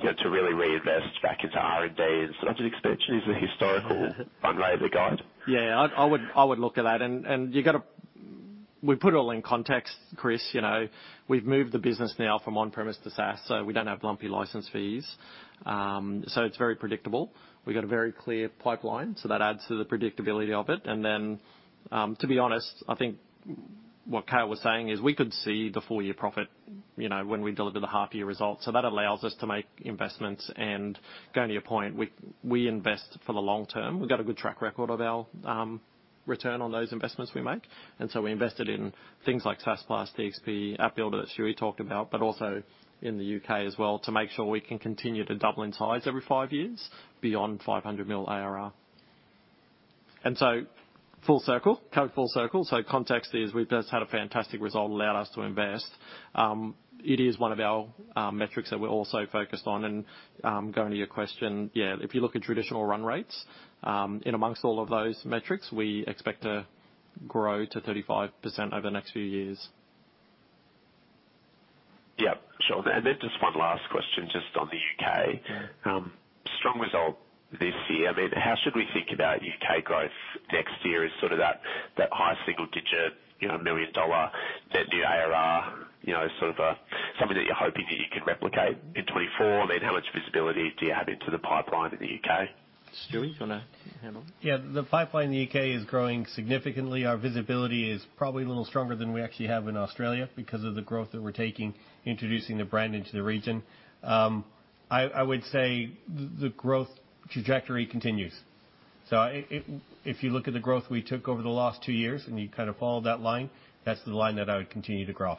you know, to really reinvest back into R&D and sort of expansion is the historical runway, the guide. Yeah. I would look at that, and you got to. We put it all in context, Chris, you know, we've moved the business now from on-premise to SaaS, so we don't have lumpy license fees. So it's very predictable. We've got a very clear pipeline, so that adds to the predictability of it. And then, to be honest, I think what Cale was saying is we could see the full year profit, you know, when we deliver the half year results. So that allows us to make investments. And going to your point, we invest for the long term. We've got a good track record of our return on those investments we make, and so we invested in things like SaaS Plus, DxP, App Builder that Stuart talked about, but also in the UK as well, to make sure we can continue to double in size every five years beyond 500 million ARR. And so full circle, come full circle. So context is we've just had a fantastic result, allowed us to invest. It is one of our metrics that we're also focused on. And going to your question, yeah, if you look at traditional run rates, in amongst all of those metrics, we expect to grow to 35% over the next few years. Yep, sure. And then just one last question, just on the UK. Yeah. Strong result this year. I mean, how should we think about UK growth next year as sort of that high single digit, you know, million dollar that the ARR, you know, sort of something that you're hoping that you can replicate in 2024? Then how much visibility do you have into the pipeline in the UK? Stuart, you want to handle? Yeah, the pipeline in the UK is growing significantly. Our visibility is probably a little stronger than we actually have in Australia, because of the growth that we're taking, introducing the brand into the region. I would say the growth trajectory continues. So if you look at the growth we took over the last two years and you kind of follow that line, that's the line that I would continue to grow.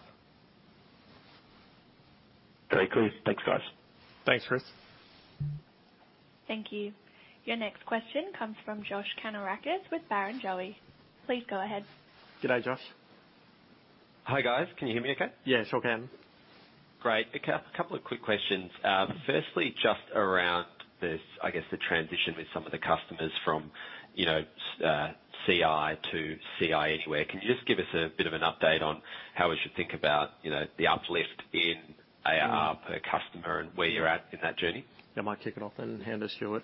Okay, cool. Thanks, guys. Thanks, Chris. Thank you. Your next question comes from Josh Kannourakis with Barrenjoey. Please go ahead. G'day, Josh. Hi, guys. Can you hear me okay? Yes, sure can. Great. A couple of quick questions. Firstly, just around this, I guess, the transition with some of the customers from, you know, Ci to Ci Anywhere. Can you just give us a bit of an update on how we should think about, you know, the uplift in ARR per customer and where you're at in that journey? I might kick it off and hand to Stuart.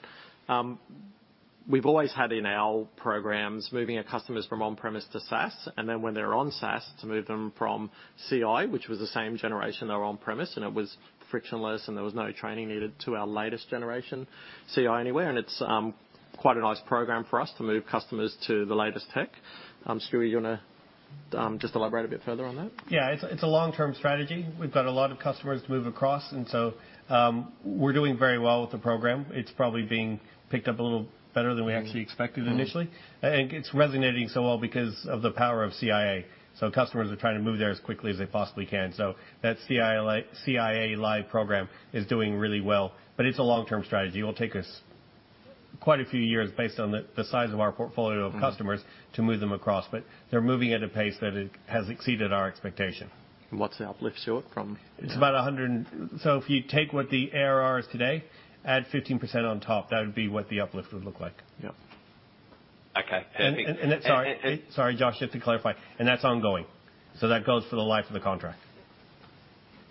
We've always had in our programs, moving our customers from on-premise to SaaS, and then when they're on SaaS, to move them from Ci, which was the same generation they're on-premise, and it was frictionless, and there was no training needed to our latest generation, Ci Anywhere, and it's quite a nice program for us to move customers to the latest tech. Stuart, you want to just elaborate a bit further on that? Yeah, it's a long-term strategy. We've got a lot of customers to move across, and so, we're doing very well with the program. It's probably being picked up a little better than we actually expected initially. Mm-hmm. I think it's resonating so well because of the power of CiA. So customers are trying to move there as quickly as they possibly can. So that CiA, CiA Live program is doing really well, but it's a long-term strategy. It will take us quite a few years based on the size of our portfolio of customers- Mm-hmm. to move them across, they're moving at a pace that has exceeded our expectation. What's the uplift, Stuart, from- It's about 100. So if you take what the ARR is today, add 15% on top, that would be what the uplift would look like. Yep. Okay, perfect. Sorry, Josh, just to clarify, and that's ongoing. So that goes for the life of the contract.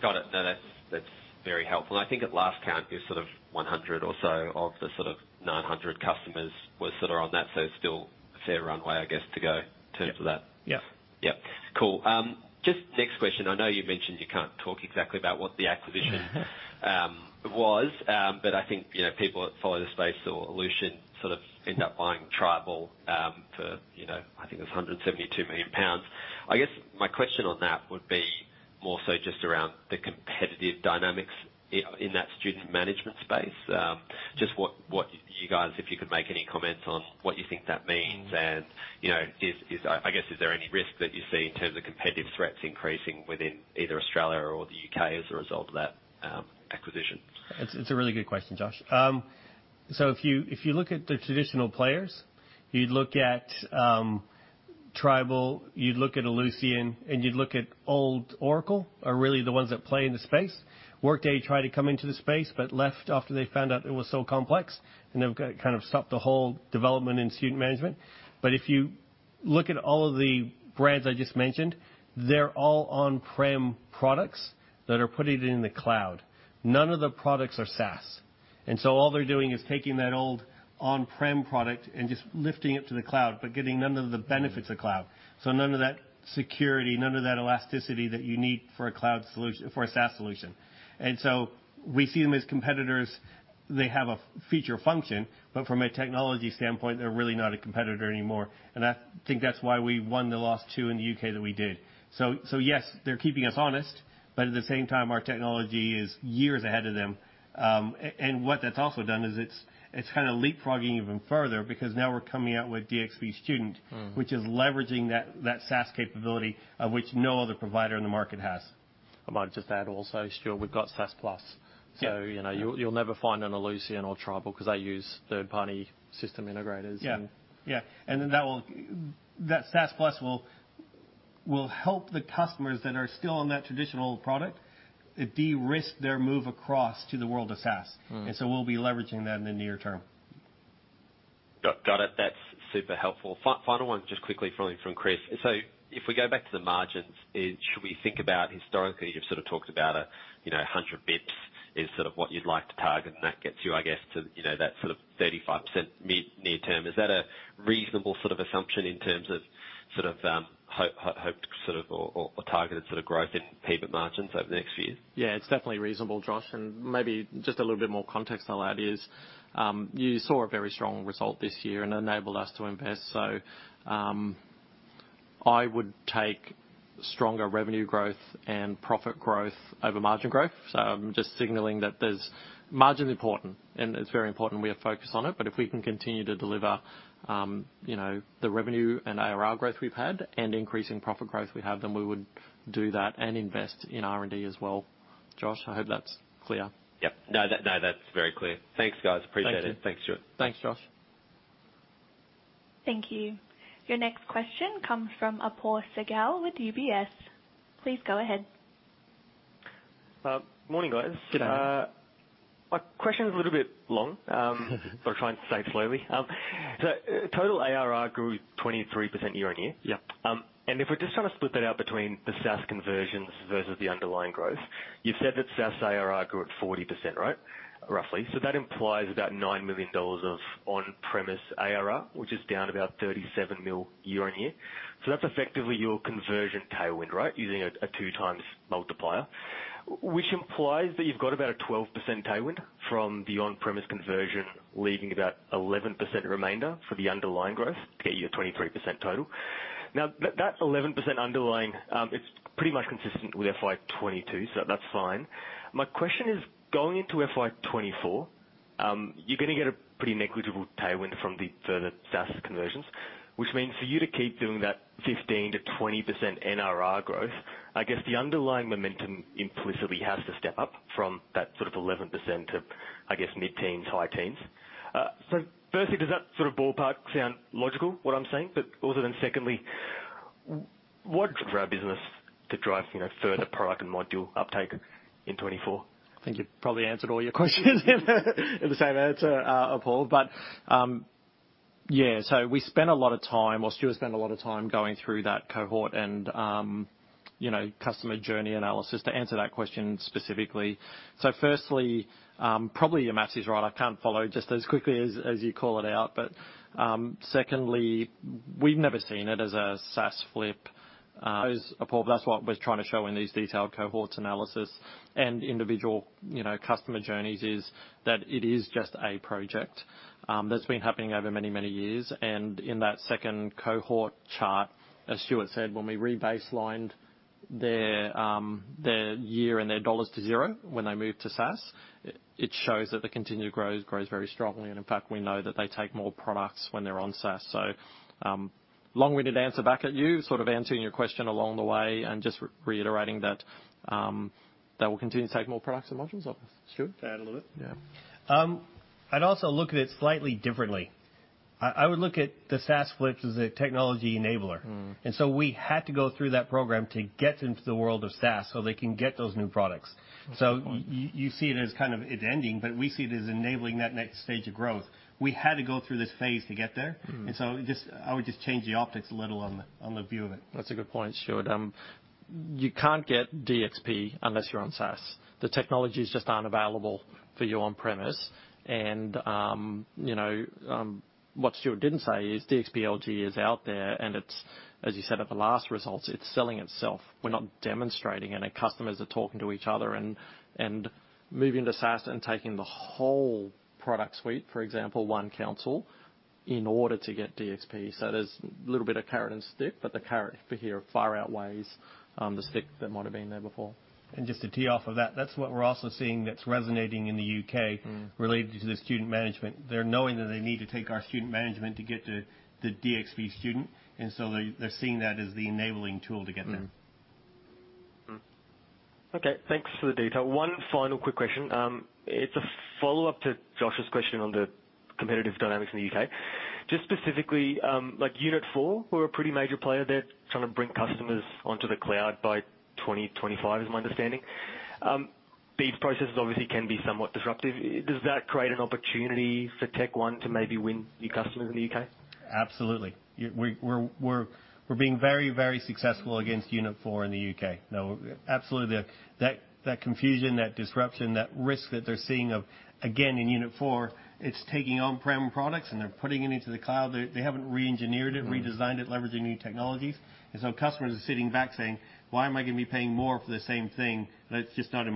Got it. No, that's, that's very helpful. I think at last count, it was sort of 100 or so of the sort of 900 customers were sort of on that, so still a fair runway, I guess, to go in terms of that. Yep. Yep, cool. Just next question. I know you mentioned you can't talk exactly about what the acquisition was, but I think, you know, people that follow the space or Ellucian sort of end up buying Tribal, you know, for, I think it was 172 million pounds. I guess my question on that would be more so just around the competitive dynamics in that student management space. Just what, what you guys, if you could make any comments on what you think that means. Mm-hmm. You know, I guess, is there any risk that you see in terms of competitive threats increasing within either Australia or the UK as a result of that acquisition? It's, it's a really good question, Josh. So if you, if you look at the traditional players, you'd look at Tribal, you'd look at Ellucian, and you'd look at old Oracle, are really the ones that play in the space. Workday tried to come into the space, but left after they found out it was so complex, and they've got kind of stopped the whole development in student management. But if you look at all of the brands I just mentioned, they're all on-prem products that are putting it in the cloud. None of the products are SaaS, and so all they're doing is taking that old on-prem product and just lifting it to the cloud, but getting none of the benefits of cloud. So none of that security, none of that elasticity that you need for a cloud solution, for a SaaS solution. So we see them as competitors. They have a feature function, but from a technology standpoint, they're really not a competitor anymore. And I think that's why we won the last two in the UK that we did. So yes, they're keeping us honest, but at the same time, our technology is years ahead of them. And what that's also done is it's kind of leapfrogging even further because now we're coming out with DxP Student- Mm. -which is leveraging that, that SaaS capability, which no other provider in the market has. I might just add also, Stuart, we've got SaaS Plus. Yeah. You know, you'll never find an Ellucian or Tribal because they use third-party system integrators. Yeah. Yeah, and then that will... That SaaS Plus will help the customers that are still on that traditional product, it de-risk their move across to the world of SaaS. Mm. So we'll be leveraging that in the near term. Got it. That's super helpful. Final one, just quickly from Chris. So if we go back to the margins, should we think about historically, you've sort of talked about a, you know, 100 basis points is sort of what you'd like to target, and that gets you, I guess, to, you know, that sort of 35% mid near term. Is that a reasonable sort of assumption in terms of- sort of hoped sort of or targeted sort of growth in profit margins over the next few years? Yeah, it's definitely reasonable, Josh, and maybe just a little bit more context I'll add is, you saw a very strong result this year and enabled us to invest. So, I would take stronger revenue growth and profit growth over margin growth. So I'm just signaling that there's... Margin's important, and it's very important we are focused on it. But if we can continue to deliver, you know, the revenue and ARR growth we've had and increasing profit growth we have, then we would do that and invest in R&D as well. Josh, I hope that's clear. Yep. No, that, no that's very clear. Thanks, guys. Thank you. Appreciate it. Thanks, Stuart. Thanks, Josh. Thank you. Your next question comes from Apoorv Sehgal with UBS. Please go ahead. Morning, guys. Good day. My question is a little bit long, so I'll try and say it slowly. So total ARR grew 23% year-over-year. Yep. And if we're just trying to split that out between the SaaS conversions versus the underlying growth, you've said that SaaS ARR grew at 40%, right? Roughly. So that implies about 9 million dollars of on-premise ARR, which is down about 37 million year-on-year. So that's effectively your conversion tailwind, right? Using a 2x multiplier. Which implies that you've got about a 12% tailwind from the on-premise conversion, leaving about 11% remainder for the underlying growth, to get you to 23% total. Now, that 11% underlying, it's pretty much consistent with FY 2022, so that's fine. My question is, going into FY 2024, you're gonna get a pretty negligible tailwind from the further SaaS conversions, which means for you to keep doing that 15%-20% NRR growth, I guess the underlying momentum implicitly has to step up from that sort of 11% to, I guess, mid-teens, high teens. So firstly, does that sort of ballpark sound logical, what I'm saying? But other than secondly, what for our business to drive, you know, further product and module uptake in 2024? I think you've probably answered all your questions in the same answer, Apoorv. But, yeah, so we spent a lot of time, or Stuart spent a lot of time going through that cohort and, you know, customer journey analysis to answer that question specifically. So firstly, probably your math is right. I can't follow just as quickly as you call it out. But, secondly, we've never seen it as a SaaS flip, Apoorv. That's what we're trying to show in these detailed cohorts analysis and individual, you know, customer journeys, is that it is just a project that's been happening over many, many years. In that second cohort chart, as Stuart said, when we rebaselined their, their year and their dollars to zero when they moved to SaaS, it shows that the continued growth grows very strongly, and in fact, we know that they take more products when they're on SaaS. So, long-winded answer back at you, sort of answering your question along the way and just re-iterating that, that we'll continue to take more products and modules. Stuart? Add a little bit. Yeah. I'd also look at it slightly differently. I would look at the SaaS Flip as a technology enabler. Mm. We had to go through that program to get into the world of SaaS so they can get those new products. Good point. You see it as kind of it ending, but we see it as enabling that next stage of growth. We had to go through this phase to get there. Mm-hmm. And so just, I would just change the optics a little on the view of it. That's a good point, Stuart. You can't get DxP unless you're on SaaS. The technologies just aren't available for you on premise. And, you know, what Stuart didn't say is DxP LG is out there, and it's, as you said, at the last results, it's selling itself. We're not demonstrating it, and customers are talking to each other and, and moving to SaaS and taking the whole product suite, for example, OneCouncil, in order to get DxP. So there's a little bit of carrot and stick, but the carrot for here far outweighs the stick that might have been there before. Just to tee off of that, that's what we're also seeing that's resonating in the U.K.- Mm. Related to the Student Management. They're knowing that they need to take our Student Management to get to the DxP Student, and so they, they're seeing that as the enabling tool to get there. Mm. Mm. Okay, thanks for the detail. One final quick question. It's a follow-up to Josh's question on the competitive dynamics in the UK. Just specifically, like Unit4, we're a pretty major player there, trying to bring customers onto the cloud by 2025, is my understanding. These processes obviously can be somewhat disruptive. Does that create an opportunity for TechnologyOne to maybe win new customers in the UK? Absolutely. Yeah, we're being very, very successful against Unit4 in the U.K. Now, absolutely, that confusion, that disruption, that risk that they're seeing of, again, in Unit4, it's taking on-prem products, and they're putting it into the cloud. They haven't reengineered it- Mm. redesigned it, leveraging new technologies. And so customers are sitting back saying: Why am I gonna be paying more for the same thing that's just not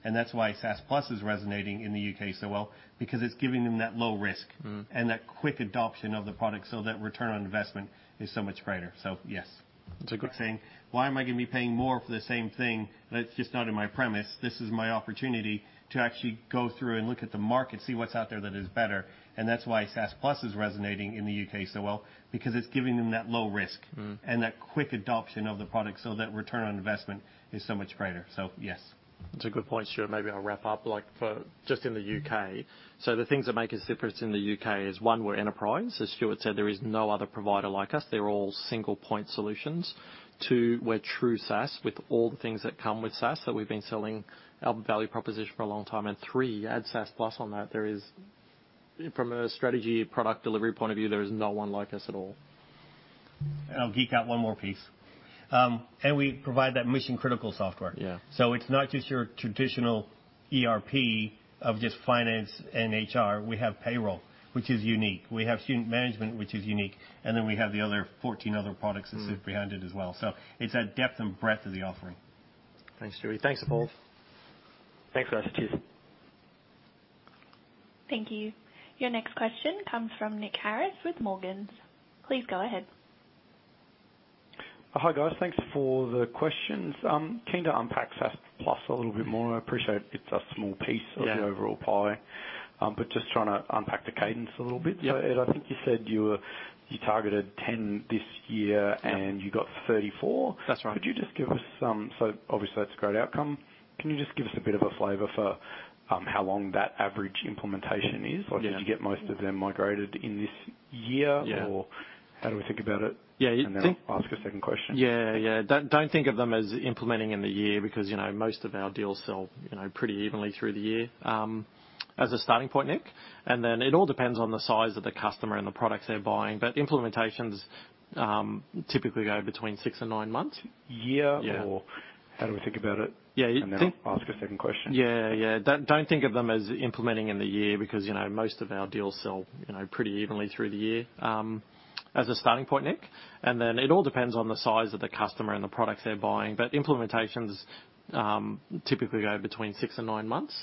on-premise? This is my opportunity to actually go through and look at the market, see what's out there that is better. And that's why SaaS Plus is resonating in the UK so well, because it's giving them that low risk- Mm. -that quick adoption of the product, so that return on investment is so much greater. Yes. That's a good point. Saying, "Why am I gonna be paying more for the same thing that's just not on-premise? This is my opportunity to actually go through and look at the market, see what's out there that is better." And that's why SaaS Plus is resonating in the UK so well, because it's giving them that low risk- Mm. And that quick adoption of the product, so that return on investment is so much greater. So, yes. It's a good point, Stuart. Maybe I'll wrap up, like, just for in the U.K. The things that make us different in the U.K. is, one, we're enterprise. As Stuart said, there is no other provider like us. They're all single-point solutions. Two, we're true SaaS, with all the things that come with SaaS, that we've been selling our value proposition for a long time. Three, add SaaS Plus on that. From a strategy product delivery point of view, there is no one like us at all.... And I'll geek out one more piece. We provide that mission-critical software. Yeah. It's not just your traditional ERP of just finance and HR. We have payroll, which is unique. We have student management, which is unique, and then we have the other 14 products- Mm. that sit behind it as well. So it's that depth and breadth of the offering. Thanks, Stewie. Thanks, Apoorv. Thanks, guys. Cheers! Thank you. Your next question comes from Nick Harris with Morgans. Please go ahead. Hi, guys. Thanks for the questions. Keen to unpack SaaS Plus a little bit more. I appreciate it's a small piece- Yeah. of the overall pie, but just trying to unpack the cadence a little bit. Yeah. So, Ed, I think you said you were... You targeted 10 this year- Yeah. -and you got 34? That's right. Could you just give us some... So obviously, that's a great outcome. Can you just give us a bit of a flavor for how long that average implementation is? Yeah. Or did you get most of them migrated in this year? Yeah. Or how do we think about it? Yeah, I think- And then I'll ask a second question. Yeah, yeah. Don't think of them as implementing in the year, because, you know, most of our deals sell, you know, pretty evenly through the year. As a starting point, Nick, and then it all depends on the size of the customer and the products they're buying. But implementations typically go between six and nine months. Year- Yeah. -or how do we think about it? Yeah, I think- I'll ask a second question. Yeah, yeah. Don't think of them as implementing in the year, because, you know, most of our deals sell, you know, pretty evenly through the year. As a starting point, Nick, and then it all depends on the size of the customer and the products they're buying. But implementations typically go between six and nine months.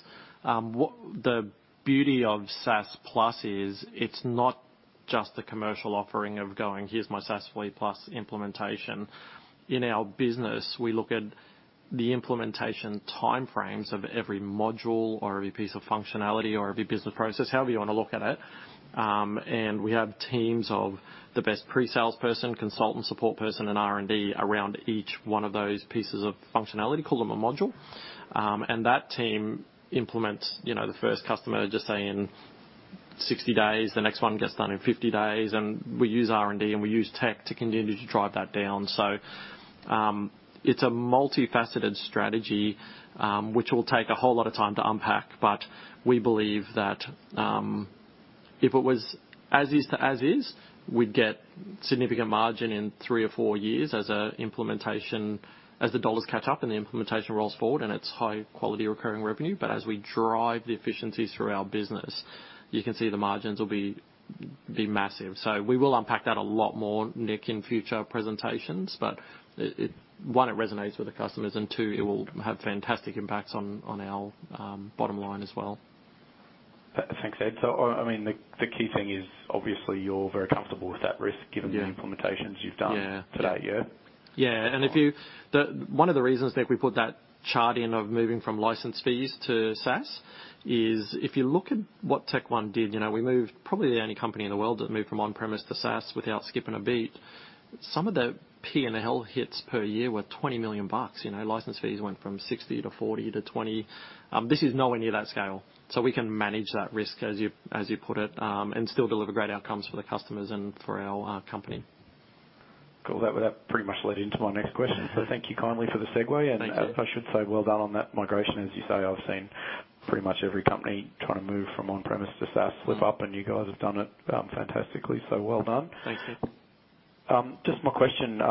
The beauty of SaaS Plus is it's not just the commercial offering of going, "Here's my SaaS Plus implementation." In our business, we look at the implementation time frames of every module or every piece of functionality or every business process, however you want to look at it. And we have teams of the best pre-sales person, consultant, support person, and R&D around each one of those pieces of functionality, call them a module. And that team implements, you know, the first customer, just say, in 60 days, the next one gets done in 50 days, and we use R&D, and we use tech to continue to drive that down. So, it's a multifaceted strategy, which will take a whole lot of time to unpack, but we believe that, if it was as is to as is, we'd get significant margin in three or four years as an implementation... As the dollars catch up and the implementation rolls forward, and it's high-quality recurring revenue. But as we drive the efficiencies through our business, you can see the margins will be, be massive. So we will unpack that a lot more, Nick, in future presentations, but it, it... One, it resonates with the customers, and two, it will have fantastic impacts on, on our, bottom line as well. Thanks, Ed. So, I mean, the key thing is obviously you're very comfortable with that risk, given- Yeah the implementations you've done Yeah -to date, yeah? Yeah. One of the reasons, Nick, we put that chart in of moving from license fees to SaaS is if you look at what TechOne did, you know, we moved. Probably the only company in the world that moved from on-premise to SaaS without skipping a beat. Some of the P&L hits per year were 20 million bucks. You know, license fees went from 60 million to 40 million to 20 million. This is nowhere near that scale, so we can manage that risk, as you, as you put it, and still deliver great outcomes for the customers and for our company. Cool. That pretty much led into my next question. So thank you kindly for the segue. Thank you. I should say well done on that migration. As you say, I've seen pretty much every company trying to move from on-premise to SaaS slip up, and you guys have done it, fantastically. Well done. Thank you. Just my question,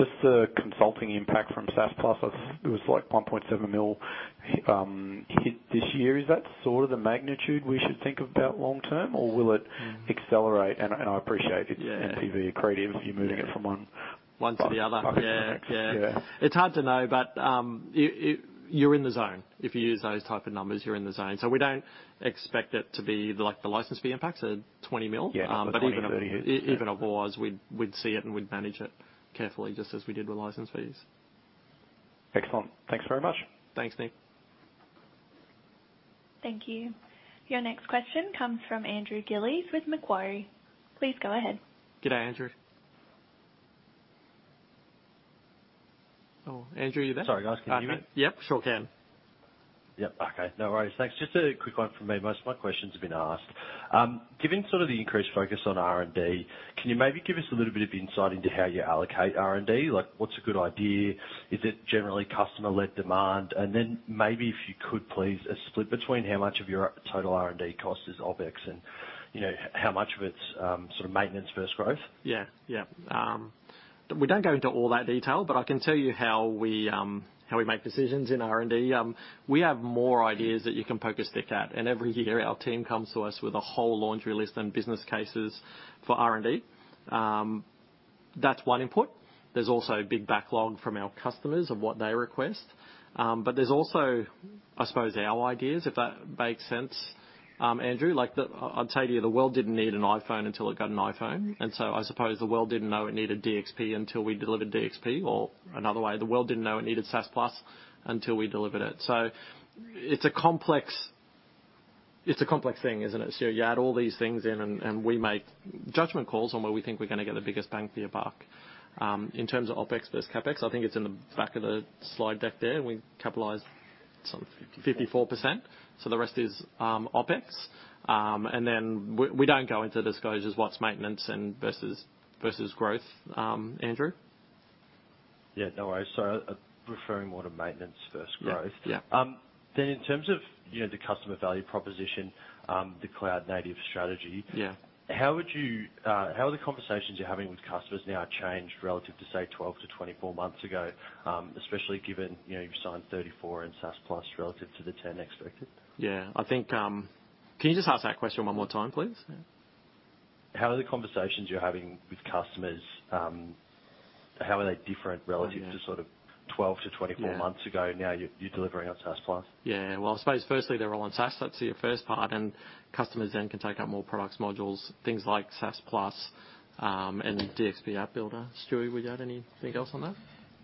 just the consulting impact from SaaS Plus, it was like 1.7 million hit this year. Is that sort of the magnitude we should think about long term, or will it accelerate? And, and I appreciate the- Yeah NPV creative, you moving it from one One to the other. Yeah. Yeah. Yeah. It's hard to know, but you, you're in the zone. If you use those type of numbers, you're in the zone. So we don't expect it to be like the license fee impacts are 20 million. Yeah. But even otherwise, we'd see it, and we'd manage it carefully, just as we did with license fees. Excellent. Thanks very much. Thanks, Nick. Thank you. Your next question comes from Andrew Gillies with Macquarie. Please go ahead. Good day, Andrew. Oh, Andrew, you there? Sorry, guys. Can you hear me? Yep, sure can. Yep, okay. No worries. Thanks. Just a quick one from me. Most of my questions have been asked. Given sort of the increased focus on R&D, can you maybe give us a little bit of insight into how you allocate R&D? Like, what's a good idea? Is it generally customer-led demand? And then maybe if you could, please, a split between how much of your total R&D cost is OpEx and, you know, how much of it's sort of maintenance versus growth. Yeah. Yeah. We don't go into all that detail, but I can tell you how we make decisions in R&D. We have more ideas that you can poke a stick at, and every year our team comes to us with a whole laundry list and business cases for R&D. That's one input. There's also a big backlog from our customers of what they request. But there's also, I suppose, our ideas, if that makes sense, Andrew. Like the... I'd say to you, the world didn't need an iPhone until it got an iPhone. And so I suppose the world didn't know it needed DxP until we delivered DxP, or another way, the world didn't know it needed SaaS Plus until we delivered it. So it's a complex, it's a complex thing, isn't it? So you add all these things in, and we make judgment calls on where we think we're going to get the biggest bang for your buck. In terms of OpEx versus CapEx, I think it's in the back of the slide deck there, and we capitalize some 54%, so the rest is OpEx. And then we don't go into disclosures, what's maintenance versus growth, Andrew?... Yeah, no worries. So referring more to maintenance first, growth? Yeah, yeah. Then in terms of, you know, the customer value proposition, the cloud native strategy- Yeah. How are the conversations you're having with customers now changed relative to, say, 12-24 months ago, especially given, you know, you've signed 34 in SaaS Plus relative to the 10 expected? Yeah. I think, can you just ask that question one more time, please? How are the conversations you're having with customers, how are they different relative- Oh, yeah. -to sort of 12-24 months ago? Now, you're, you're delivering on SaaS Plus. Yeah. Well, I suppose firstly, they're all on SaaS. That's your first part, and customers then can take out more products, modules, things like SaaS Plus, and DxP App Builder. Stu, would you add anything else on that?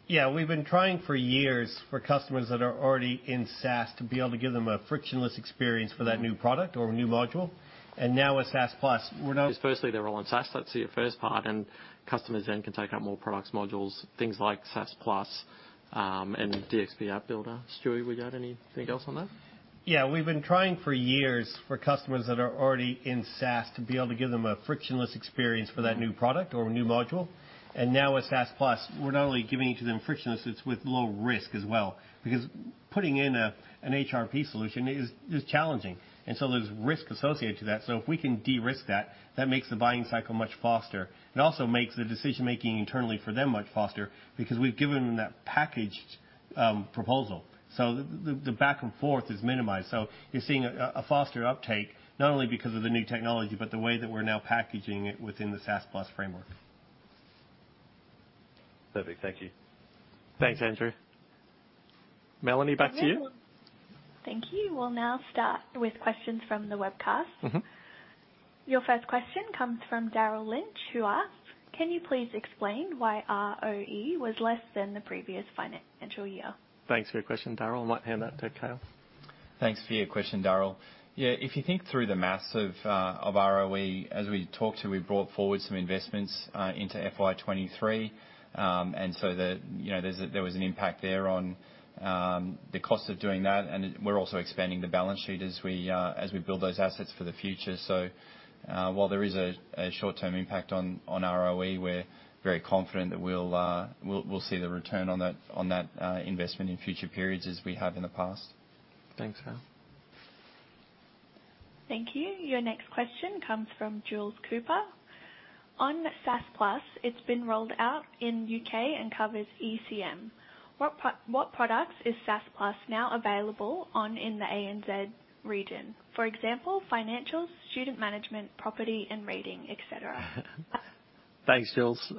Yeah, we've been trying for years for customers that are already in SaaS to be able to give them a frictionless experience for that new product or a new module. And now with SaaS Plus, we're not- Cause firstly, they're all on SaaS. That's your first part, and customers then can take out more products, modules, things like SaaS Plus, and DxP App Builder. Stu, would you add anything else on that? Yeah, we've been trying for years for customers that are already in SaaS to be able to give them a frictionless experience for that new product or a new module. And now with SaaS Plus, we're not only giving it to them frictionless, it's with low risk as well, because putting in an HRP solution is challenging, and so there's risk associated to that. So if we can de-risk that, that makes the buying cycle much faster. It also makes the decision-making internally for them much faster because we've given them that packaged proposal, so the back and forth is minimized. So you're seeing a faster uptake, not only because of the new technology, but the way that we're now packaging it within the SaaS Plus framework. Perfect. Thank you. Thanks, Andrew. Melanie, back to you. Thank you. We'll now start with questions from the webcast. Mm-hmm. Your first question comes from Daryl Lynch, who asks: Can you please explain why ROE was less than the previous financial year? Thanks for your question, Daryl. I might hand that to Cale. Thanks for your question, Daryl. Yeah, if you think through the math of ROE, as we talked to, we brought forward some investments into FY 2023. And so the, you know, there was an impact there on the cost of doing that, and it... We're also expanding the balance sheet as we build those assets for the future. So, while there is a short-term impact on ROE, we're very confident that we'll see the return on that investment in future periods, as we have in the past. Thanks, Cale. Thank you. Your next question comes from Jules Cooper. On SaaS Plus, it's been rolled out in UK and covers ECM. What products is SaaS Plus now available on in the ANZ region? For example, Financials, Student Management, Property and Rating, et cetera. Thanks, Jules.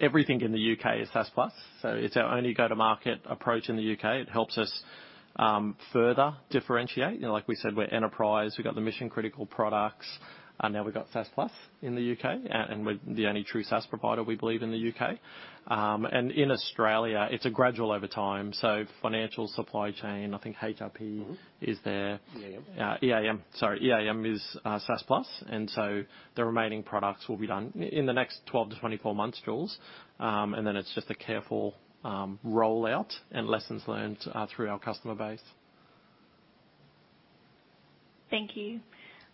Everything in the UK is SaaS Plus, so it's our only go-to-market approach in the UK. It helps us further differentiate. You know, like we said, we're enterprise. We've got the mission-critical products, and now we've got SaaS Plus in the UK, and we're the only true SaaS provider, we believe, in the UK. And in Australia, it's a gradual over time. So financial, supply chain, I think HRP- Mm-hmm. -is there. EAM. EAM, sorry. EAM is SaaS Plus, and so the remaining products will be done in the next 12-24 months, Jules. And then it's just a careful rollout and lessons learned through our customer base. Thank you.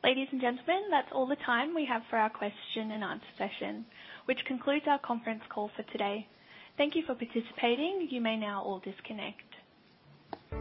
Ladies and gentlemen, that's all the time we have for our question and answer session, which concludes our conference call for today. Thank you for participating. You may now all disconnect.